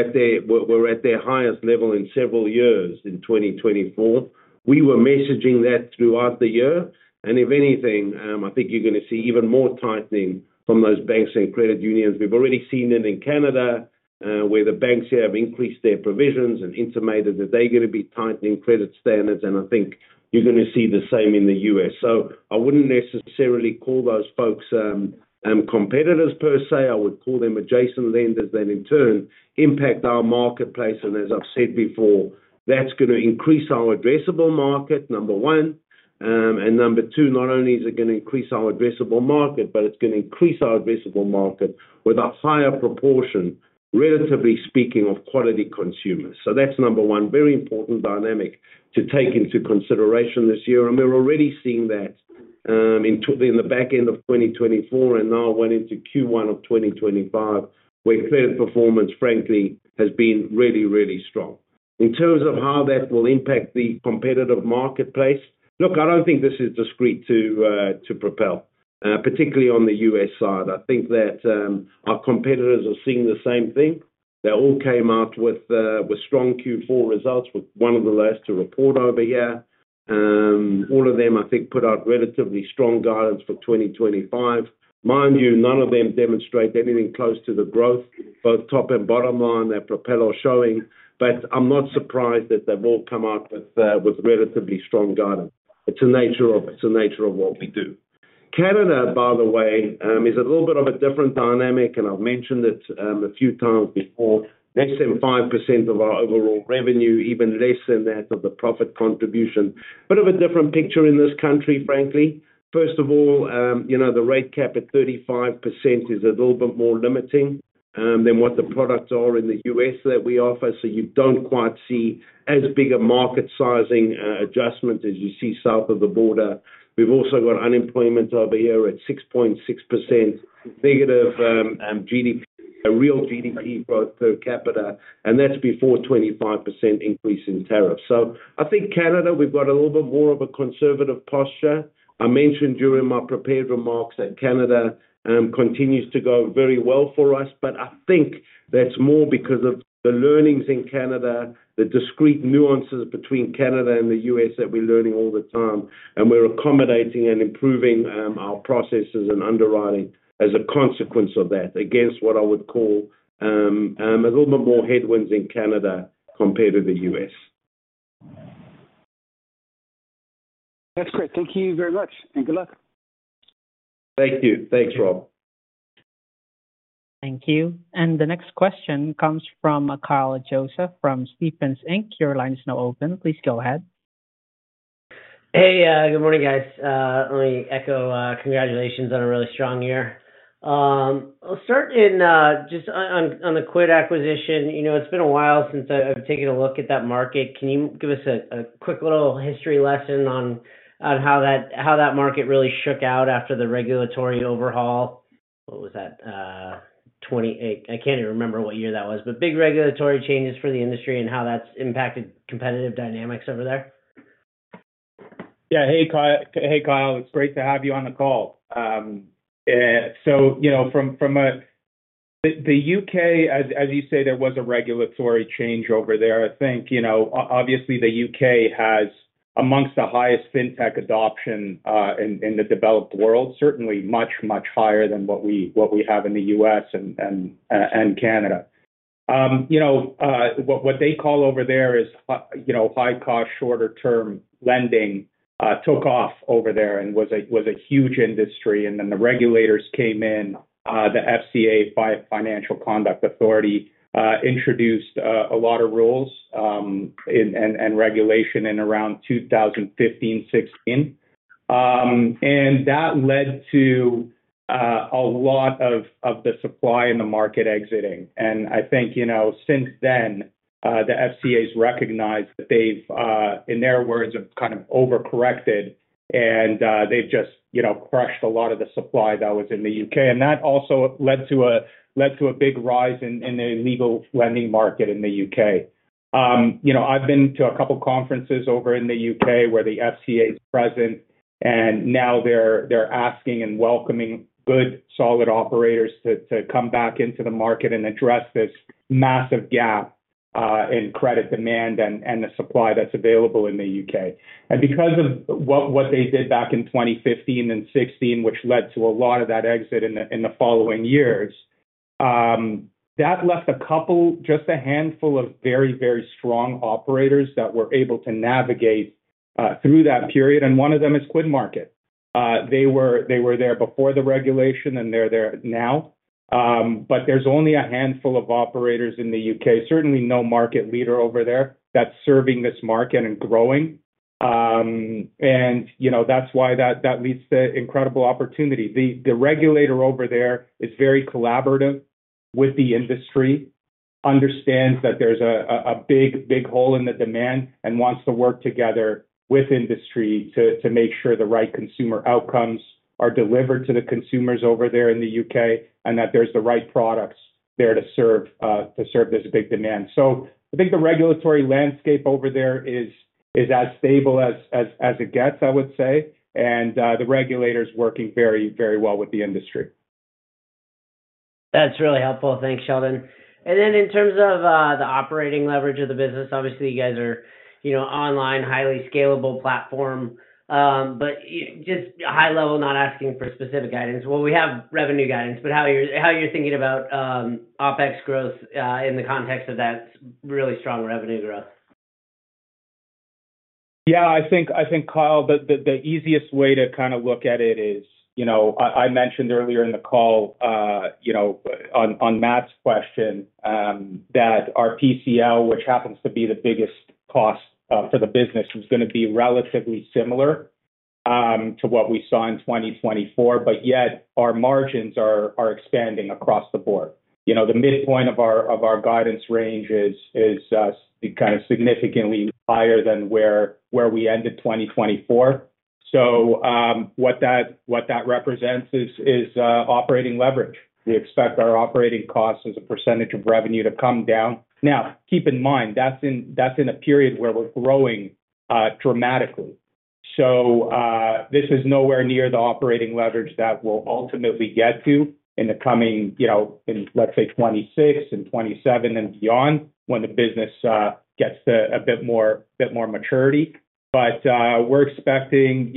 at their highest level in several years in 2024. We were messaging that throughout the year. If anything, I think you're going to see even more tightening from those banks and credit unions. We've already seen it in Canada where the banks have increased their provisions and intimated that they're going to be tightening credit standards. I think you're going to see the same in the U.S. I wouldn't necessarily call those folks competitors per se. I would call them adjacent lenders that in turn impact our marketplace. As I've said before, that's going to increase our addressable market, number one. Number two, not only is it going to increase our addressable market, but it's going to increase our addressable market with a higher proportion, relatively speaking, of quality consumers. That's number one, very important dynamic to take into consideration this year. We're already seeing that in the back end of 2024 and now into Q1 of 2025 where credit performance, frankly, has been really, really strong. In terms of how that will impact the competitive marketplace, look, I don't think this is discrete to Propel, particularly on the U.S. side. I think that our competitors are seeing the same thing. They all came out with strong Q4 results, one of the last to report over here. All of them, I think, put out relatively strong guidance for 2025. Mind you, none of them demonstrate anything close to the growth, both top and bottom line that Propel are showing. I'm not surprised that they've all come out with relatively strong guidance. It's the nature of what we do. Canada, by the way, is a little bit of a different dynamic, and I've mentioned it a few times before. Less than 5% of our overall revenue, even less than that of the profit contribution. Bit of a different picture in this country, frankly. First of all, the rate cap at 35% is a little bit more limiting than what the products are in the U.S. that we offer. You do not quite see as big a market sizing adjustment as you see south of the border. We have also got unemployment over here at 6.6%, negative real GDP growth per capita, and that is before a 25% increase in tariffs. I think Canada, we have got a little bit more of a conservative posture. I mentioned during my prepared remarks that Canada continues to go very well for us, but I think that is more because of the learnings in Canada, the discrete nuances between Canada and the U.S. that we are learning all the time, and we are accommodating and improving our processes and underwriting as a consequence of that against what I would call a little bit more headwinds in Canada compared to the U.S. That is great. Thank you very much, and good luck. Thank you. Thanks, Rob. Thank you. The next question comes from Kyle Joseph from Stephens Inc. Your line is now open. Please go ahead. Hey, good morning, guys. Let me echo congratulations on a really strong year. I'll start in just on the QuidMarket acquisition. It's been a while since I've taken a look at that market. Can you give us a quick little history lesson on how that market really shook out after the regulatory overhaul? What was that? I can't even remember what year that was, but big regulatory changes for the industry and how that's impacted competitive dynamics over there. Yeah. Hey, Kyle. It's great to have you on the call. From the U.K., as you say, there was a regulatory change over there. I think, obviously, the U.K. has amongst the highest fintech adoption in the developed world, certainly much, much higher than what we have in the U.S. and Canada. What they call over there is high-cost, shorter-term lending took off over there and was a huge industry. The regulators came in. The FCA, Financial Conduct Authority, introduced a lot of rules and regulation in around 2015, 2016. That led to a lot of the supply in the market exiting. I think since then, the FCA has recognized that they've, in their words, kind of overcorrected, and they've just crushed a lot of the supply that was in the U.K. That also led to a big rise in the illegal lending market in the U.K. I've been to a couple of conferences over in the U.K. where the FCA is present, and now they're asking and welcoming good, solid operators to come back into the market and address this massive gap in credit demand and the supply that's available in the U.K. Because of what they did back in 2015 and 2016, which led to a lot of that exit in the following years, that left a couple, just a handful of very, very strong operators that were able to navigate through that period. One of them is QuidMarket. They were there before the regulation, and they're there now. There is only a handful of operators in the U.K., certainly no market leader over there that's serving this market and growing. That leads to incredible opportunity. The regulator over there is very collaborative with the industry, understands that there's a big hole in the demand, and wants to work together with industry to make sure the right consumer outcomes are delivered to the consumers over there in the U.K. and that there's the right products there to serve this big demand. I think the regulatory landscape over there is as stable as it gets, I would say, and the regulator is working very, very well with the industry. That's really helpful. Thanks, Sheldon. In terms of the operating leverage of the business, obviously, you guys are an online, highly scalable platform. Just high level, not asking for specific guidance. We have revenue guidance, but how you're thinking about OpEx growth in the context of that really strong revenue growth? Yeah. I think, Kyle, the easiest way to kind of look at it is I mentioned earlier in the call on Matt's question that our PCL, which happens to be the biggest cost for the business, is going to be relatively similar to what we saw in 2024, but yet our margins are expanding across the board. The midpoint of our guidance range is kind of significantly higher than where we ended 2024. What that represents is operating leverage. We expect our operating costs as a percentage of revenue to come down. Now, keep in mind, that's in a period where we're growing dramatically. This is nowhere near the operating leverage that we'll ultimately get to in the coming, let's say, 2026 and 2027 and beyond when the business gets a bit more maturity. We're expecting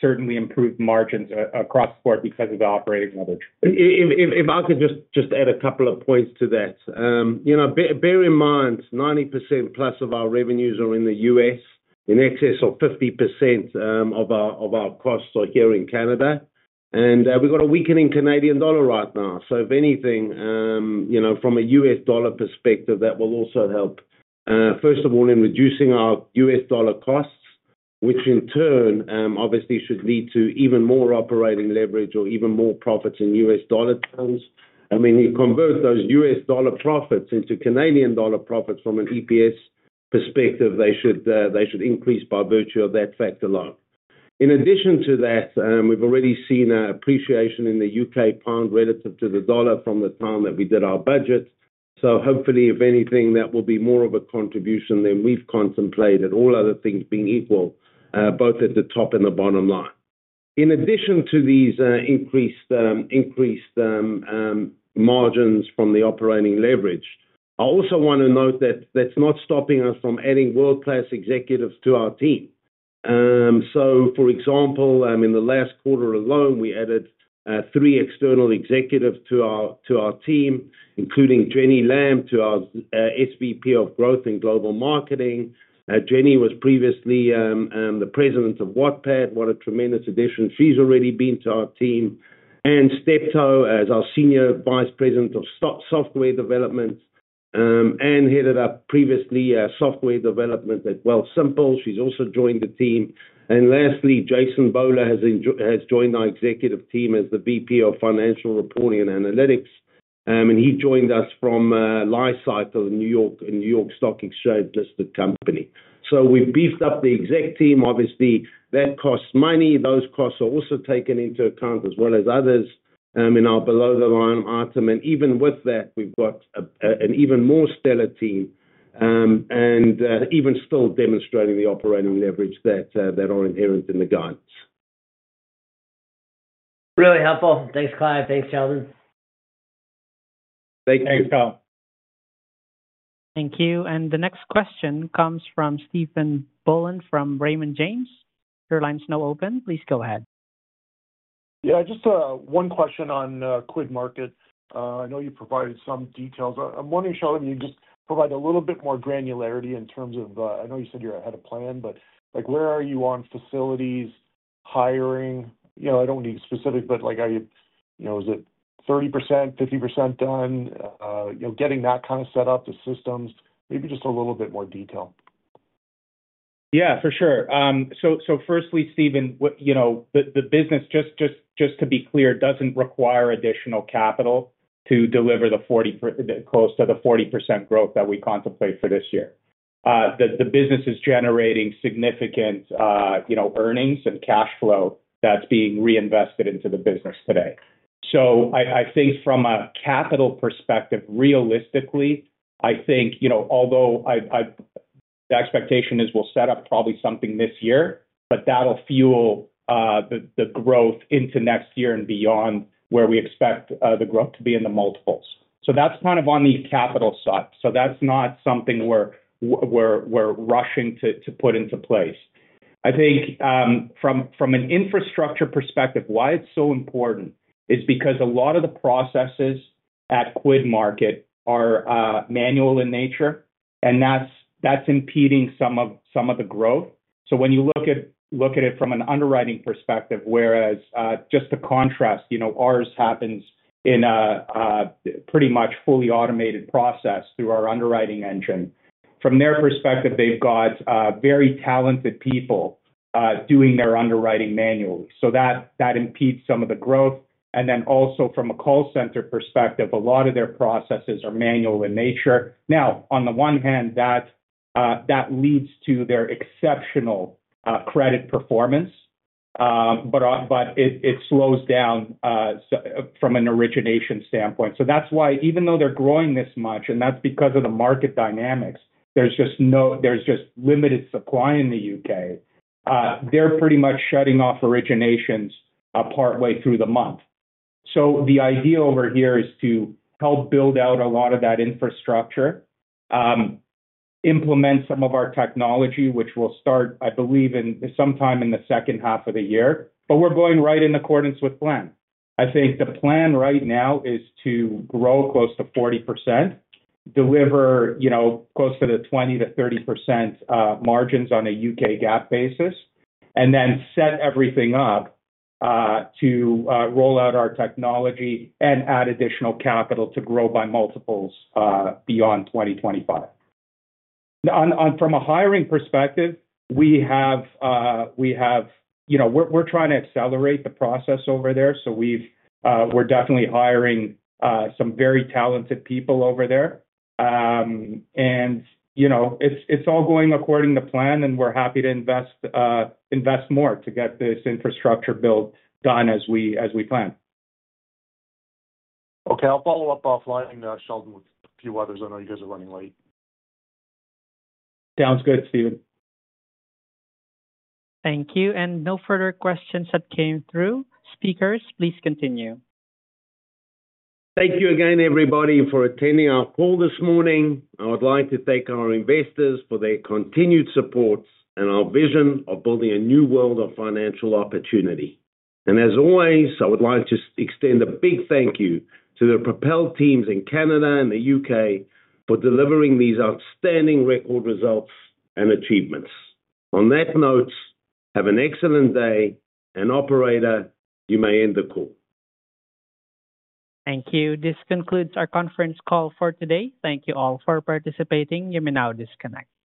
certainly improved margins across the board because of the operating leverage. If I could just add a couple of points to that. Bear in mind, 90% plus of our revenues are in the U.S. in excess of 50% of our costs are here in Canada. We've got a weakening Canadian dollar right now. If anything, from a U.S. dollar perspective, that will also help, first of all, in reducing our U.S. dollar costs, which in turn, obviously, should lead to even more operating leverage or even more profits in U.S. dollar terms. I mean, you convert those U.S. dollar profits into Canadian dollar profits from an EPS perspective, they should increase by virtue of that fact alone. In addition to that, we've already seen an appreciation in the U.K. pound relative to the dollar from the time that we did our budget. Hopefully, if anything, that will be more of a contribution than we've contemplated, all other things being equal, both at the top and the bottom line. In addition to these increased margins from the operating leverage, I also want to note that that's not stopping us from adding world-class executives to our team. For example, in the last quarter alone, we added three external executives to our team, including Jenny Lam, to our SVP of Growth and Global Marketing. Jenny was previously the president of Wattpad. What a tremendous addition she has already been to our team. Anne Steptoe as our Senior Vice President of Software Development. Anne headed up previously software development at Wealthsimple. She has also joined the team. Lastly, Jason Bowler has joined our executive team as the VP of Financial Reporting and Analytics. He joined us from Li-Cycle, a New York Stock Exchange-listed company. We have beefed up the exec team. Obviously, that costs money. Those costs are also taken into account as well as others in our below-the-line item. Even with that, we have got an even more stellar team and are still demonstrating the operating leverage that is inherent in the guidance. Really helpful. Thanks, Kyle. Thanks, Sheldon. Thank you. Thanks, Kyle. Thank you. The next question comes from Stephen Boland from Raymond James. Your line's now open. Please go ahead. Yeah. Just one question on QuidMarket. I know you provided some details. I'm wondering, Sheldon, if you can just provide a little bit more granularity in terms of I know you said you had a plan, but where are you on facilities, hiring? I don't need specifics, but is it 30%, 50% done? Getting that kind of set up, the systems, maybe just a little bit more detail. Yeah, for sure. Firstly, Stephen, the business, just to be clear, doesn't require additional capital to deliver the close to the 40% growth that we contemplate for this year. The business is generating significant earnings and cash flow that's being reinvested into the business today. I think from a capital perspective, realistically, I think although the expectation is we'll set up probably something this year, but that'll fuel the growth into next year and beyond where we expect the growth to be in the multiples. That's kind of on the capital side. That's not something we're rushing to put into place. I think from an infrastructure perspective, why it's so important is because a lot of the processes at QuidMarket are manual in nature, and that's impeding some of the growth. When you look at it from an underwriting perspective, whereas just to contrast, ours happens in a pretty much fully automated process through our underwriting engine. From their perspective, they've got very talented people doing their underwriting manually. That impedes some of the growth. From a call center perspective, a lot of their processes are manual in nature. On the one hand, that leads to their exceptional credit performance, but it slows down from an origination standpoint. That is why even though they're growing this much, and that's because of the market dynamics, there's just limited supply in the U.K., they're pretty much shutting off originations partway through the month. The idea over here is to help build out a lot of that infrastructure, implement some of our technology, which we'll start, I believe, sometime in the second half of the year. We're going right in accordance with plan. I think the plan right now is to grow close to 40%, deliver close to the 20-30% margins on a U.K. GAAP basis, and then set everything up to roll out our technology and add additional capital to grow by multiples beyond 2025. From a hiring perspective, we're trying to accelerate the process over there. We are definitely hiring some very talented people over there. It's all going according to plan, and we're happy to invest more to get this infrastructure built as we plan. Okay. I'll follow up offline, Sheldon, with a few others. I know you guys are running late. Sounds good, Stephen. Thank you. No further questions that came through. Speakers, please continue. Thank you again, everybody, for attending our call this morning. I would like to thank our investors for their continued support and our vision of building a new world of financial opportunity. I would like to extend a big thank you to the Propel teams in Canada and the U.K. for delivering these outstanding record results and achievements. On that note, have an excellent day, and operator, you may end the call. Thank you. This concludes our conference call for today. Thank you all for participating. You may now disconnect.